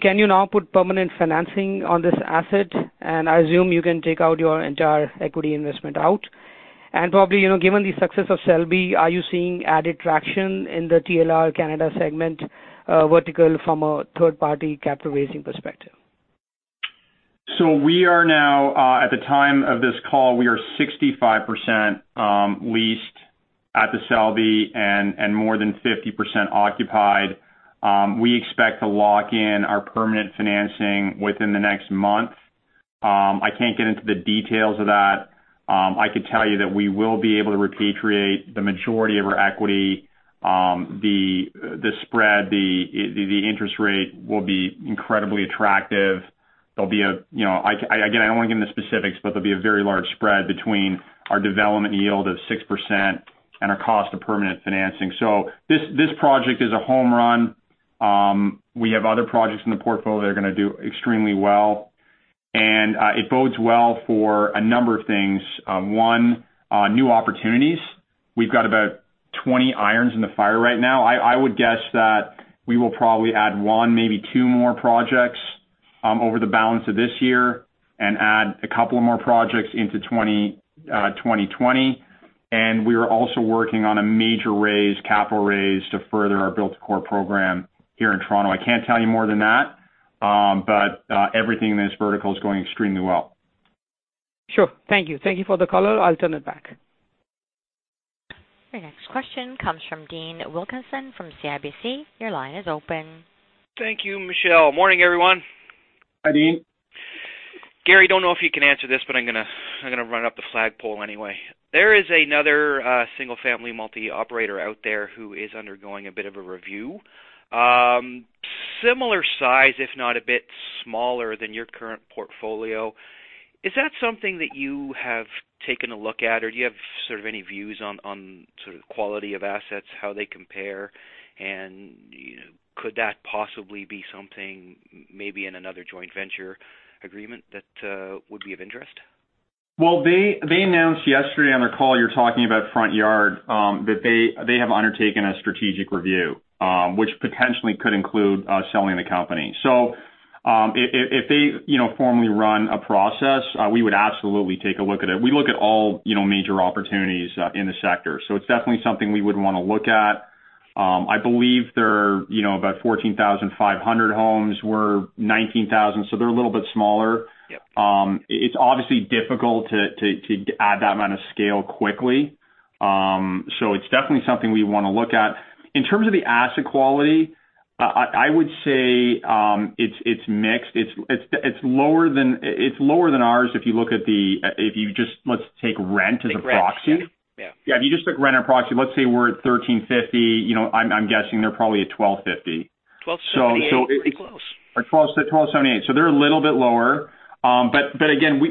Can you now put permanent financing on this asset? I assume you can take out your entire equity investment. Probably, given the success of Selby, are you seeing added traction in the TLR Canada segment vertical from a third-party capital raising perspective? We are now, at the time of this call, we are 65% leased at The Selby and more than 50% occupied. We expect to lock in our permanent financing within the next month. I can't get into the details of that. I could tell you that we will be able to repatriate the majority of our equity. The spread, the interest rate will be incredibly attractive. Again, I won't give the specifics, but there'll be a very large spread between our development yield of 6% and our cost of permanent financing. This project is a home run. We have other projects in the portfolio that are going to do extremely well, and it bodes well for a number of things. One, new opportunities. We've got about 20 irons in the fire right now. I would guess that we will probably add one, maybe two more projects over the balance of this year and add a couple of more projects into 2020. We are also working on a major raise, capital raise to further our build to core program here in Toronto. I can't tell you more than that. Everything in this vertical is going extremely well. Sure. Thank you. Thank you for the color. I'll turn it back. Your next question comes from Dean Wilkinson from CIBC. Your line is open. Thank you, Michelle. Morning, everyone. Hi, Dean. Gary, don't know if you can answer this, but I'm going to run it up the flagpole anyway. There is another single-family multi-operator out there who is undergoing a bit of a review, similar size, if not a bit smaller than your current portfolio. Is that something that you have taken a look at, or do you have sort of any views on sort of quality of assets, how they compare, and could that possibly be something maybe in another joint venture agreement that would be of interest? They announced yesterday on their call, you're talking about Front Yard, that they have undertaken a strategic review, which potentially could include selling the company. If they formally run a process, we would absolutely take a look at it. We look at all major opportunities in the sector, so it's definitely something we would want to look at. I believe they're about 14,500 homes. We're 19,000, so they're a little bit smaller. Yeah. It's obviously difficult to add that amount of scale quickly. It's definitely something we want to look at. In terms of the asset quality, I would say it's mixed. It's lower than ours if you look at Let's take rent as a proxy. Take rent, yeah. Yeah, if you just took rent as a proxy, let's say we're at $1,350. I'm guessing they're probably at $1,250. 1278. Pretty close. 1,278. They're a little bit lower. Again,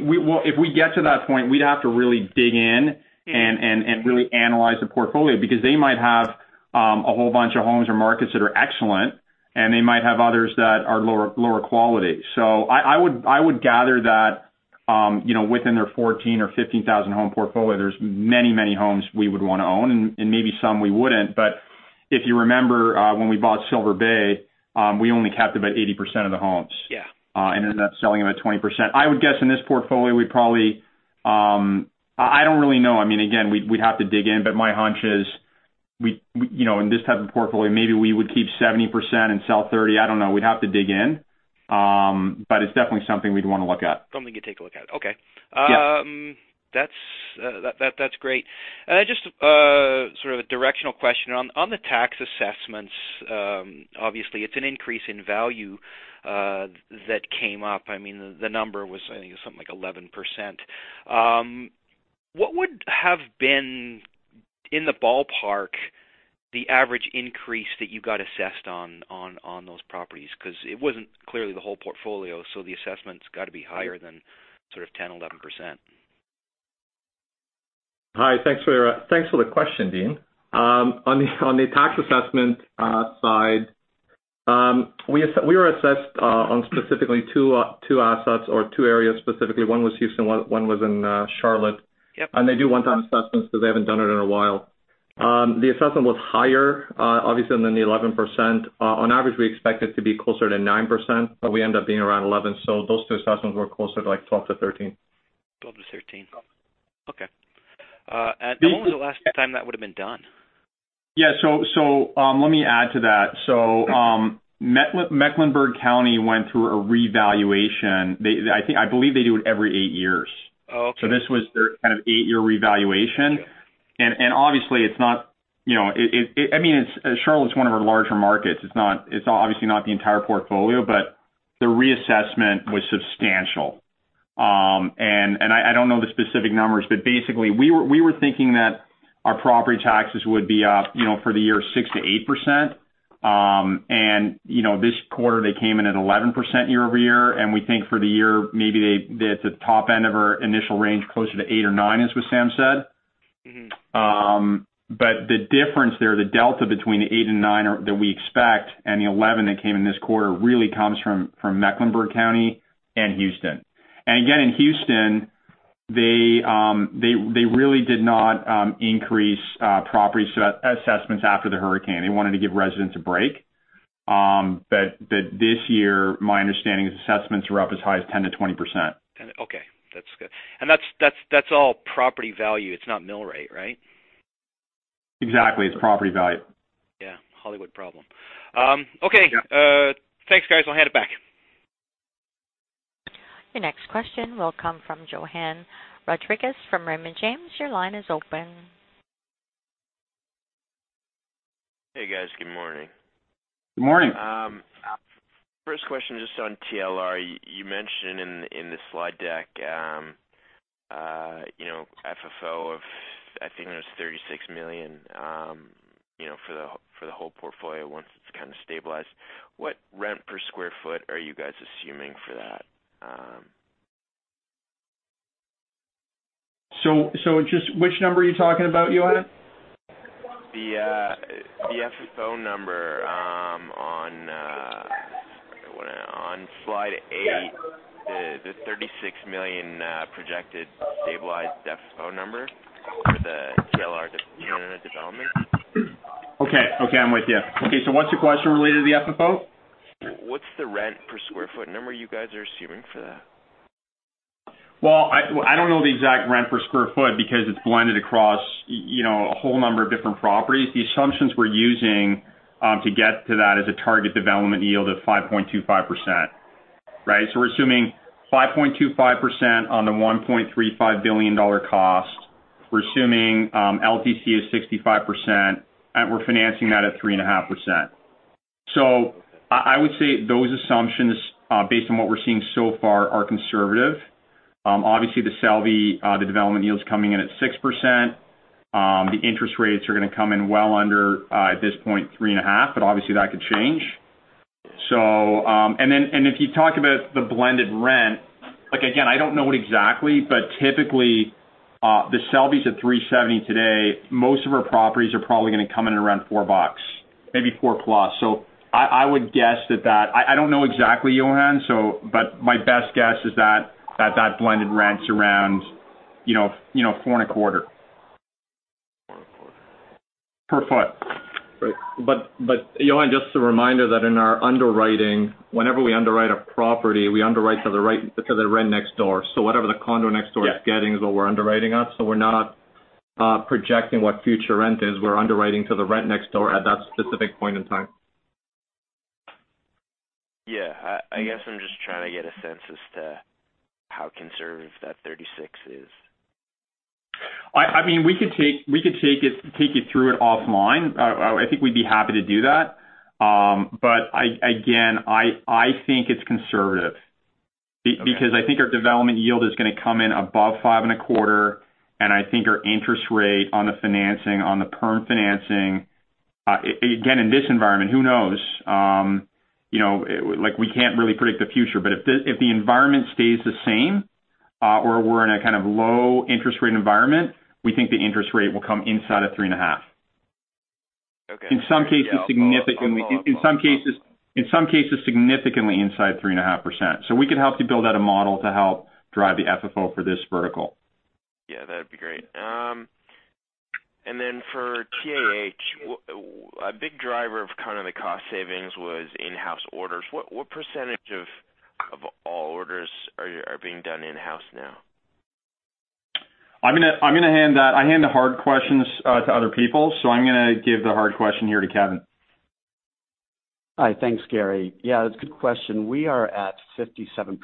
if we get to that point, we'd have to really dig in and really analyze the portfolio, because they might have a whole bunch of homes or markets that are excellent, and they might have others that are lower quality. I would gather that within their 14 or 15,000 home portfolio, there's many homes we would want to own, and maybe some we wouldn't. If you remember, when we bought Silver Bay, we only kept about 80% of the homes. Yeah. Ended up selling about 20%. I would guess in this portfolio, we'd probably I don't really know. Again, we'd have to dig in, but my hunch is in this type of portfolio, maybe we would keep 70% and sell 30%. I don't know. We'd have to dig in. It's definitely something we'd want to look at. Something you could take a look at. Okay. Yeah. That's great. Just sort of a directional question. On the tax assessments, obviously it's an increase in value that came up. The number was, I think it was something like 11%. What would have been, in the ballpark, the average increase that you got assessed on those properties? Because it wasn't clearly the whole portfolio, so the assessment's got to be higher than sort of 10%, 11%. Hi. Thanks for the question, Dean. On the tax assessment side, we were assessed on specifically two assets or two areas, specifically. One was Houston, one was in Charlotte. Yep. They do one-time assessments because they haven't done it in a while. The assessment was higher, obviously, than the 11%. On average, we expect it to be closer to 9%, but we end up being around 11%, so those two assessments were closer to 12%-13%. 12 to 13. Yeah. Okay. When was the last time that would've been done? Yeah. Let me add to that. Mecklenburg County went through a revaluation. I believe they do it every eight years. Oh, okay. This was their kind of eight-year revaluation. Okay. Obviously, Charlotte's one of our larger markets. It's obviously not the entire portfolio, but the reassessment was substantial. I don't know the specific numbers, but basically, we were thinking that our property taxes would be up, for the year, 6%-8%. This quarter, they came in at 11% year-over-year, and we think for the year, maybe at the top end of our initial range, closer to eight or nine, as Wissam said. The difference there, the delta between the 8% and 9% that we expect and the 11% that came in this quarter really comes from Mecklenburg County and Houston. Again, in Houston, they really did not increase property assessments after the hurricane. They wanted to give residents a break. This year, my understanding is assessments are up as high as 10% to 20%. Okay, that's good. That's all property value, it's not mill rate, right? Exactly. It's property value. Yeah. Hollywood problem. Yeah. Okay. Thanks, guys. I'll hand it back. Your next question will come from Johann Rodrigues from Raymond James. Your line is open. Hey, guys. Good morning. Good morning. First question just on TLR. You mentioned in the slide deck, FFO of, I think it was 36 million, for the whole portfolio, once it's kind of stabilized. What rent per sq ft are you guys assuming for that? Just which number are you talking about, Johann? The FFO number on, I wonder, on slide eight, the 36 million projected stabilized FFO number for the TLR Canada development. Okay. I'm with you. Okay. What's your question related to the FFO? What's the rent per square foot number you guys are assuming for that? I don't know the exact rent per sq ft because it's blended across a whole number of different properties. The assumptions we're using to get to that is a target development yield of 5.25%. We're assuming 5.25% on the $1.35 billion cost. We're assuming LTC is 65%, and we're financing that at 3.5%. I would say those assumptions, based on what we're seeing so far, are conservative. Obviously, The Selby, the development yield's coming in at 6%. The interest rates are going to come in well under, at this point, 3.5%, but obviously that could change. If you talk about the blended rent, again, I don't know it exactly, but typically, The Selby's at $370 today. Most of our properties are probably going to come in around $4, maybe $4 plus. I don't know exactly, Johann, but my best guess is that that blended rent's around four and a quarter. Four and a quarter. Per foot. Right. Johann, just a reminder that in our underwriting, whenever we underwrite a property, we underwrite to the rent next door. Yeah is getting is what we're underwriting at, so we're not projecting what future rent is. We're underwriting to the rent next door at that specific point in time. Yeah. I guess I'm just trying to get a sense as to how conservative that 36 is. We could take you through it offline. I think we'd be happy to do that. Again, I think it's conservative. Okay. Because I think our development yield is going to come in above five and a quarter, and I think our interest rate on the financing, on the perm financing, again, in this environment, who knows? We can't really predict the future, but if the environment stays the same, or we're in a kind of low interest rate environment, we think the interest rate will come inside of three and a half. Okay. In some cases, significantly inside 3.5%. We could help you build out a model to help drive the FFO for this vertical. Yeah, that'd be great. For TAH, a big driver of kind of the cost savings was in-house orders. What % of all orders are being done in-house now? I hand the hard questions to other people, so I'm gonna give the hard question here to Kevin. Hi. Thanks, Gary. Yeah, that's a good question. We are at 57%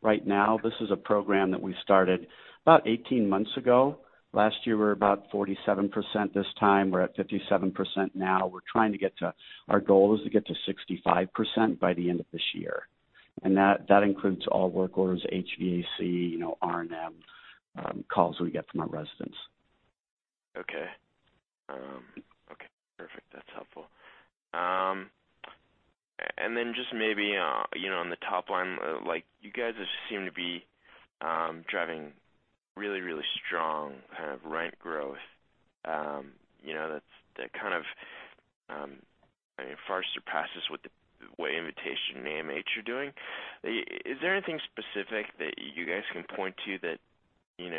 right now. This is a program that we started about 18 months ago. Last year, we were about 47% this time. We're at 57% now. Our goal is to get to 65% by the end of this year. That includes all work orders, HVAC, R&M, calls we get from our residents. Okay. Perfect. That's helpful. Just maybe, on the top line, you guys just seem to be driving really strong kind of rent growth. That kind of far surpasses with the way Invitation and AMH are doing. Is there anything specific that you guys can point to that you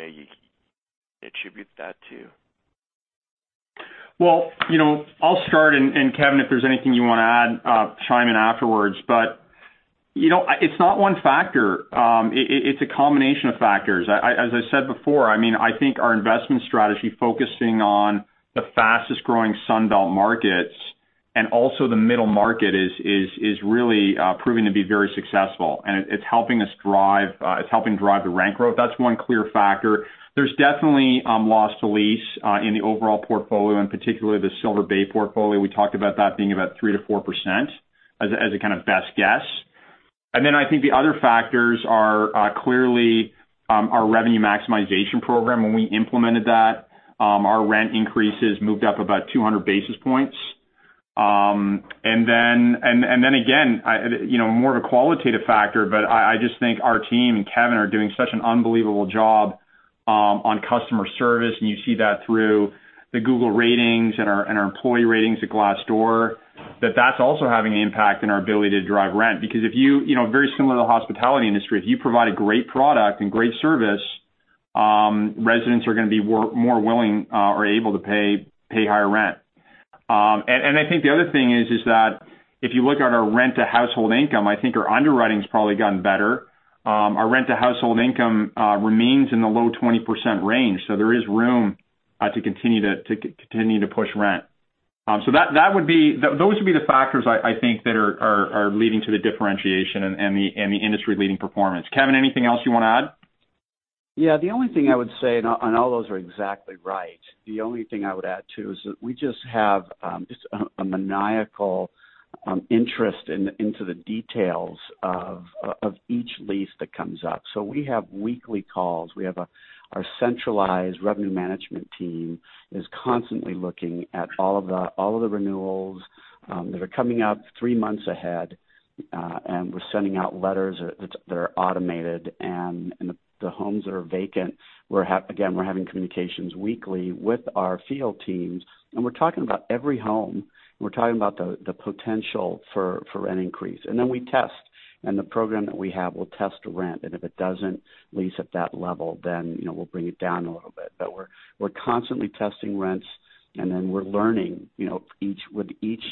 attribute that to? Well, I'll start and, Kevin, if there's anything you want to add, chime in afterwards. It's not one factor. It's a combination of factors. As I said before, I think our investment strategy focusing on the fastest-growing Sun Belt markets and also the middle market is really proving to be very successful, and it's helping drive the rent growth. That's one clear factor. There's definitely loss to lease in the overall portfolio, and particularly the Silver Bay portfolio. We talked about that being about 3%-4% as a kind of best guess. I think the other factors are clearly our revenue maximization program. When we implemented that, our rent increases moved up about 200 basis points. Then again, more of a qualitative factor, but I just think our team and Kevin are doing such an unbelievable job on customer service, and you see that through the Google ratings and our employee ratings at Glassdoor, that that's also having an impact on our ability to drive rent. Because very similar to the hospitality industry, if you provide a great product and great service, residents are going to be more willing or able to pay higher rent. I think the other thing is that if you look at our rent-to-household income, I think our underwriting's probably gotten better. Our rent-to-household income remains in the low 20% range, there is room to continue to push rent. Those would be the factors I think that are leading to the differentiation and the industry-leading performance. Kevin, anything else you want to add? All those are exactly right. The only thing I would add, too, is that we just have just a maniacal interest into the details of each lease that comes up. We have weekly calls. Our centralized revenue management team is constantly looking at all of the renewals that are coming up three months ahead, and we're sending out letters that are automated. The homes that are vacant, again, we're having communications weekly with our field teams, and we're talking about every home, and we're talking about the potential for rent increase. We test, the program that we have will test rent, if it doesn't lease at that level, we'll bring it down a little bit. We're constantly testing rents, we're learning with each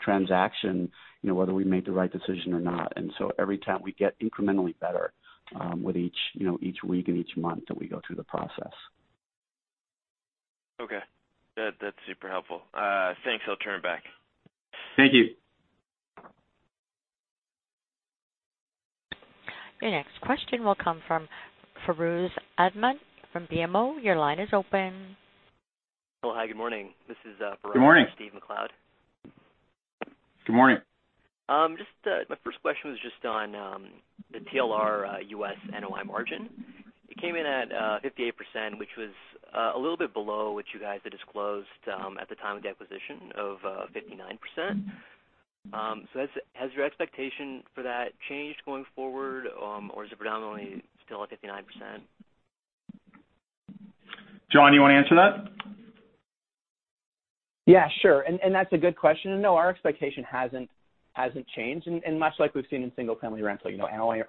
transaction whether we made the right decision or not. Every time, we get incrementally better with each week and each month that we go through the process. Okay. That's super helpful. Thanks. I'll turn it back. Thank you. Your next question will come from Furaz Ahmad from BMO. Your line is open. Hello. Hi, good morning. This is Furaz- Good morning. Steve MacLeod. Good morning. My first question was just on the TLR U.S. NOI margin. It came in at 58%, which was a little bit below what you guys had disclosed at the time of the acquisition of 59%. Has your expectation for that changed going forward, or is it predominantly still at 59%? Jon, you want to answer that? Yeah, sure. That's a good question. No, our expectation hasn't changed, and much like we've seen in single-family rental, our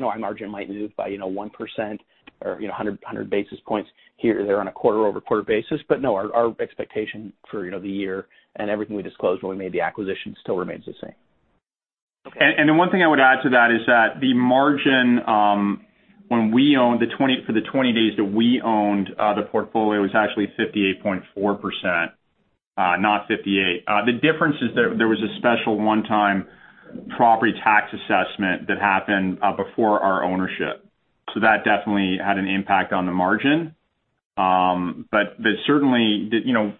NOI margin might move by 1% or 100 basis points here or there on a quarter-over-quarter basis. No, our expectation for the year and everything we disclosed when we made the acquisition still remains the same. Okay. Then one thing I would add to that is that the margin for the 20 days that we owned the portfolio was actually 58.4%, not 58. The difference is there was a special one-time property tax assessment that happened before our ownership. That definitely had an impact on the margin. Certainly,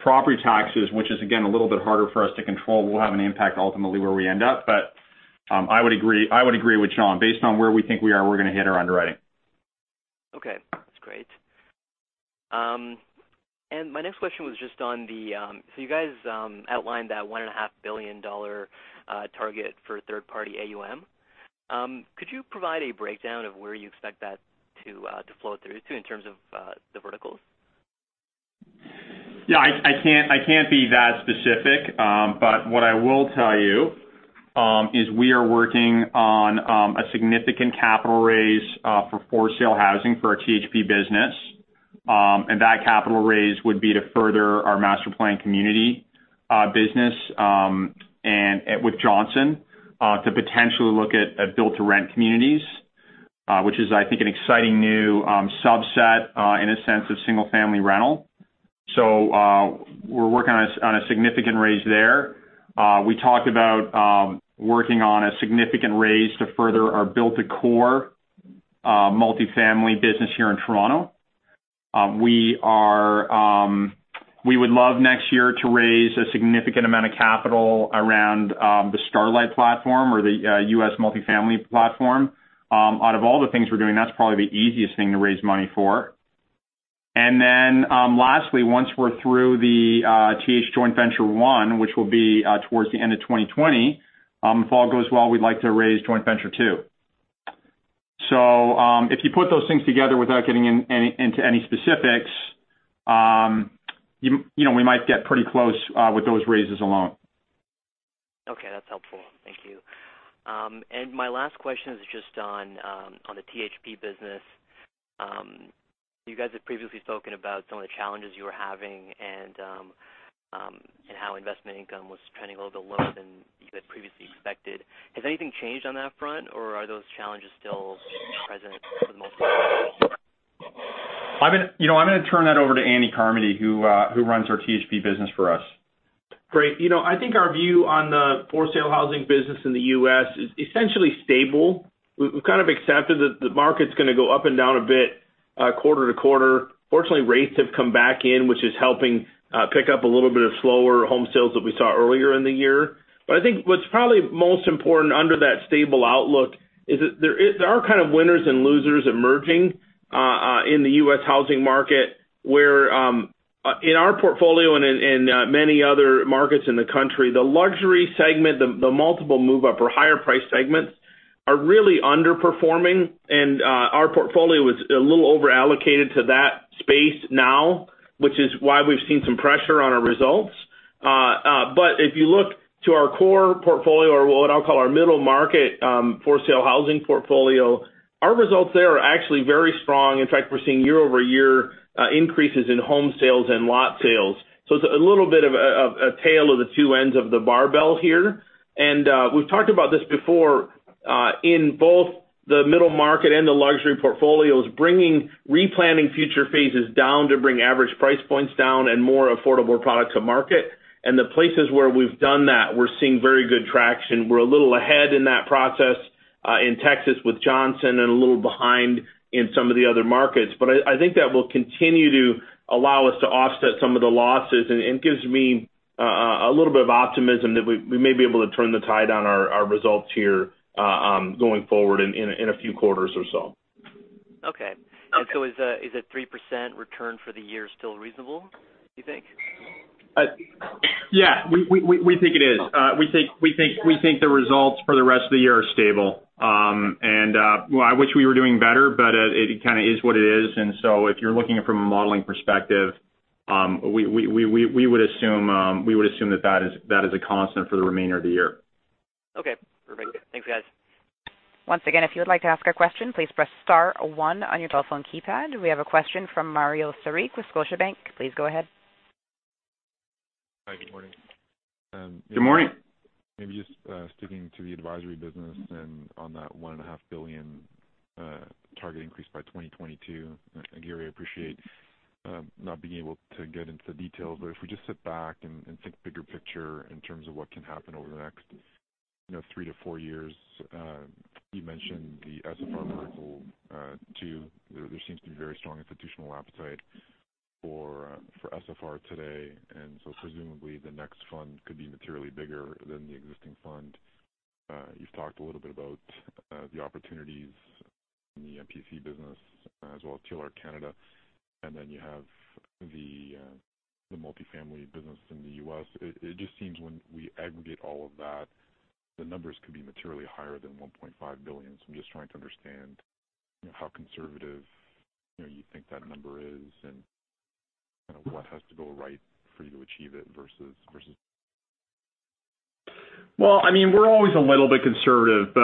property taxes, which is, again, a little bit harder for us to control, will have an impact ultimately where we end up. I would agree with Jon. Based on where we think we are, we're going to hit our underwriting. Okay, that's great. My next question was just you guys outlined that $1.5 billion target for third-party AUM. Could you provide a breakdown of where you expect that to flow through to in terms of the verticals? I can't be that specific. What I will tell you is we are working on a significant capital raise for for-sale housing for our THP business. That capital raise would be to further our master-planned community business with Johnson to potentially look at built-to-rent communities, which is, I think, an exciting new subset in a sense of single-family rental. We're working on a significant raise there. We talked about working on a significant raise to further our built-to-core multifamily business here in Toronto. We would love next year to raise a significant amount of capital around the Starlight platform or the U.S. multifamily platform. Out of all the things we're doing, that's probably the easiest thing to raise money for. Lastly, once we're through the TAH joint venture 1, which will be towards the end of 2020, if all goes well, we'd like to raise joint venture 2. If you put those things together without getting into any specifics, we might get pretty close with those raises alone. Okay, that's helpful. Thank you. My last question is just on the THP business. You guys have previously spoken about some of the challenges you were having and how investment income was trending a little bit lower than you had previously expected. Has anything changed on that front, or are those challenges still present for the most part? I'm going to turn that over to Andy Carmody, who runs our THP business for us. Great. I think our view on the for-sale housing business in the U.S. is essentially stable. We've kind of accepted that the market's going to go up and down a bit quarter to quarter. Fortunately, rates have come back in, which is helping pick up a little bit of slower home sales that we saw earlier in the year. I think what's probably most important under that stable outlook is that there are kind of winners and losers emerging in the U.S. housing market, where in our portfolio and in many other markets in the country, the luxury segment, the multiple move-up or higher price segments. Are really underperforming. Our portfolio is a little over-allocated to that space now, which is why we've seen some pressure on our results. If you look to our core portfolio, or what I'll call our middle market, for-sale housing portfolio, our results there are actually very strong. In fact, we're seeing year-over-year increases in home sales and lot sales. It's a little bit of a tale of the two ends of the barbell here. We've talked about this before in both the middle market and the luxury portfolios, bringing replanning future phases down to bring average price points down and more affordable product to market. The places where we've done that, we're seeing very good traction. We're a little ahead in that process in Texas with Johnson, and a little behind in some of the other markets. I think that will continue to allow us to offset some of the losses, and it gives me a little bit of optimism that we may be able to turn the tide on our results here going forward in a few quarters or so. Is a 3% return for the year still reasonable, do you think? Yeah, we think it is. We think the results for the rest of the year are stable. Well, I wish we were doing better, but it kind of is what it is. If you're looking at it from a modeling perspective, we would assume that is a constant for the remainder of the year. Okay. Perfect. Thanks, guys. Once again, if you would like to ask a question, please press star one on your telephone keypad. We have a question from Mario Saric with Scotiabank. Please go ahead. Hi. Good morning. Good morning. Maybe just sticking to the advisory business, on that $1.5 billion target increase by 2022. Gary, I appreciate not being able to get into the details, but if we just sit back and take the bigger picture in terms of what can happen over the next three to four years. You mentioned the SFR vertical too. There seems to be very strong institutional appetite for SFR today, and so presumably the next fund could be materially bigger than the existing fund. You've talked a little bit about the opportunities in the MPC business as well as TLR Canada, and then you have the multifamily business in the U.S. It just seems when we aggregate all of that, the numbers could be materially higher than $1.5 billion, so I'm just trying to understand how conservative you think that number is and what has to go right for you to achieve it versus. We're always a little bit conservative.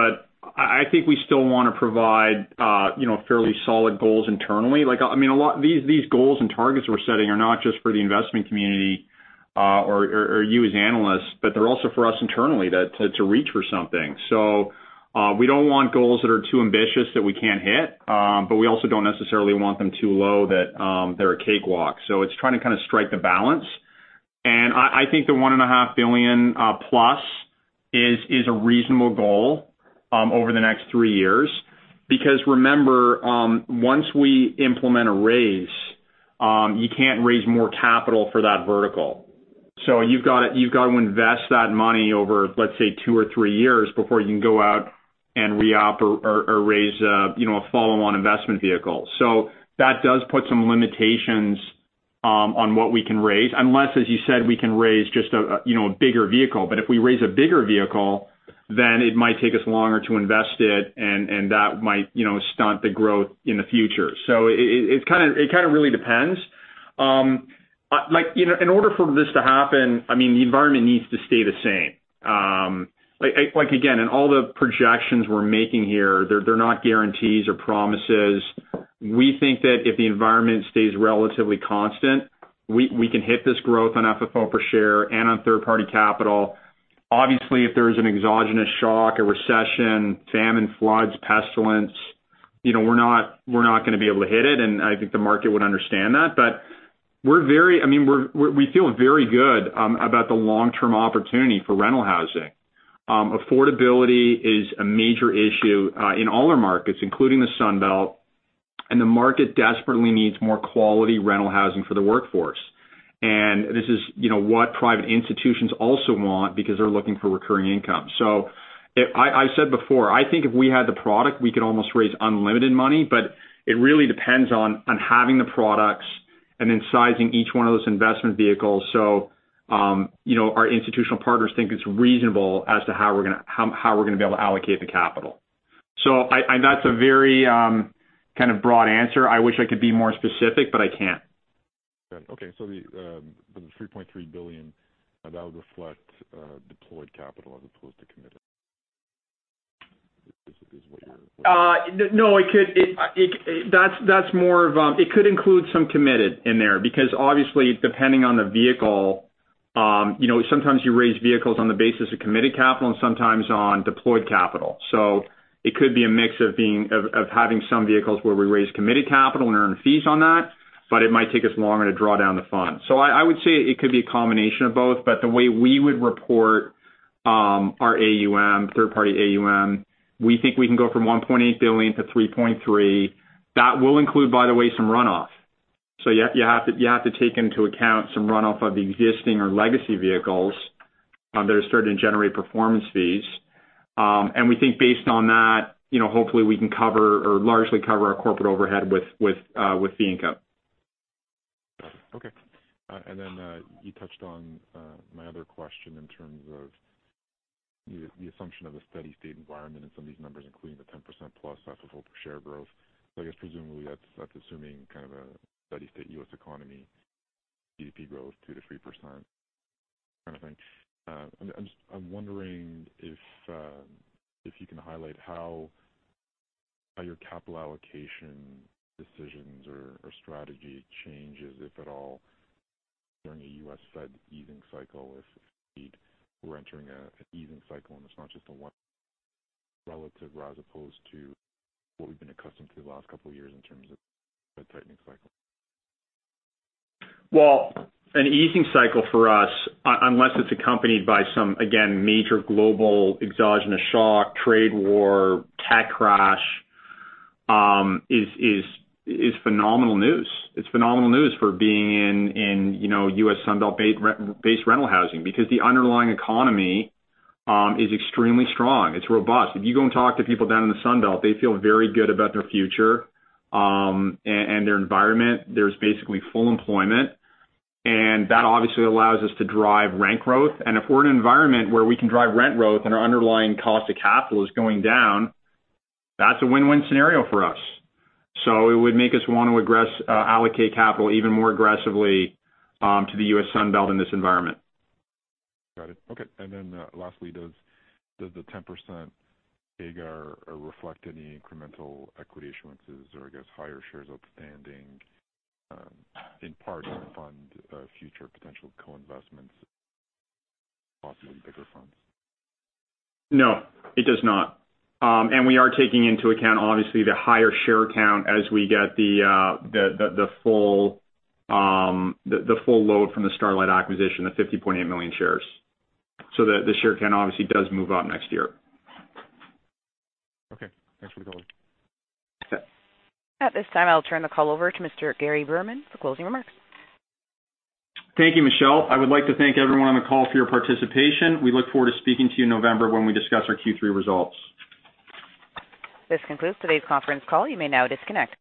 I think we still want to provide fairly solid goals internally. These goals and targets we're setting are not just for the investment community or you as analysts, but they're also for us internally to reach for something. We don't want goals that are too ambitious that we can't hit. We also don't necessarily want them too low that they're a cakewalk. It's trying to kind of strike the balance. I think the $1.5 billion plus is a reasonable goal over the next 3 years. Remember, once we implement a raise, you can't raise more capital for that vertical. You've got to invest that money over, let's say, 2 or 3 years before you can go out and re-op or raise a follow-on investment vehicle. That does put some limitations on what we can raise, unless, as you said, we can raise just a bigger vehicle. If we raise a bigger vehicle, then it might take us longer to invest it, and that might stunt the growth in the future. It kind of really depends. In order for this to happen, the environment needs to stay the same. Again, in all the projections we're making here, they're not guarantees or promises. We think that if the environment stays relatively constant, we can hit this growth on FFO per share and on third-party capital. Obviously, if there is an exogenous shock, a recession, famine, floods, pestilence, we're not going to be able to hit it, and I think the market would understand that. We feel very good about the long-term opportunity for rental housing. Affordability is a major issue in all our markets, including the Sun Belt, and the market desperately needs more quality rental housing for the workforce. This is what private institutions also want because they're looking for recurring income. I said before, I think if we had the product, we could almost raise unlimited money, but it really depends on having the products and then sizing each one of those investment vehicles so our institutional partners think it's reasonable as to how we're going to be able to allocate the capital. That's a very kind of broad answer. I wish I could be more specific, but I can't. Okay. The $3.3 billion, that would reflect deployed capital as opposed to committed is what you're-? No, it could include some committed in there, because obviously, depending on the vehicle, sometimes you raise vehicles on the basis of committed capital and sometimes on deployed capital. It could be a mix of having some vehicles where we raise committed capital and earn fees on that, but it might take us longer to draw down the fund. I would say it could be a combination of both, but the way we would report our AUM, third-party AUM, we think we can go from $1.8 billion to $3.3 billion. That will include, by the way, some runoff. You have to take into account some runoff of existing or legacy vehicles that are starting to generate performance fees. We think based on that, hopefully we can cover or largely cover our corporate overhead with fee income. Okay. You touched on my other question in terms of the assumption of a steady state environment in some of these numbers, including the 10%+ AFFO per share growth. I guess presumably that's assuming kind of a steady state U.S. economy, GDP growth 2%-3% kind of thing. I'm wondering if you can highlight how your capital allocation decisions or strategy changes, if at all, during a U.S. Fed easing cycle, if indeed we're entering an easing cycle, and it's not just a one relative, as opposed to what we've been accustomed to the last couple of years in terms of a tightening cycle. An easing cycle for us, unless it's accompanied by some, again, major global exogenous shock, trade war, tech crash, is phenomenal news. It's phenomenal news for being in U.S. Sun Belt-based rental housing because the underlying economy is extremely strong. It's robust. If you go and talk to people down in the Sun Belt, they feel very good about their future and their environment. There's basically full employment, and that obviously allows us to drive rent growth. If we're in an environment where we can drive rent growth and our underlying cost of capital is going down, that's a win-win scenario for us. It would make us want to allocate capital even more aggressively to the U.S. Sun Belt in this environment. Got it. Okay. Lastly, does the 10% AGR reflect any incremental equity issuances or, I guess, higher shares outstanding in part to fund future potential co-investments, possibly bigger funds? No, it does not. We are taking into account, obviously, the higher share count as we get the full load from the Starlight acquisition, the 50.8 million shares. The share count obviously does move up next year. Okay, thanks for the color. Yes. At this time, I'll turn the call over to Mr. Gary Berman for closing remarks. Thank you, Michelle. I would like to thank everyone on the call for your participation. We look forward to speaking to you in November when we discuss our Q3 results. This concludes today's conference call. You may now disconnect.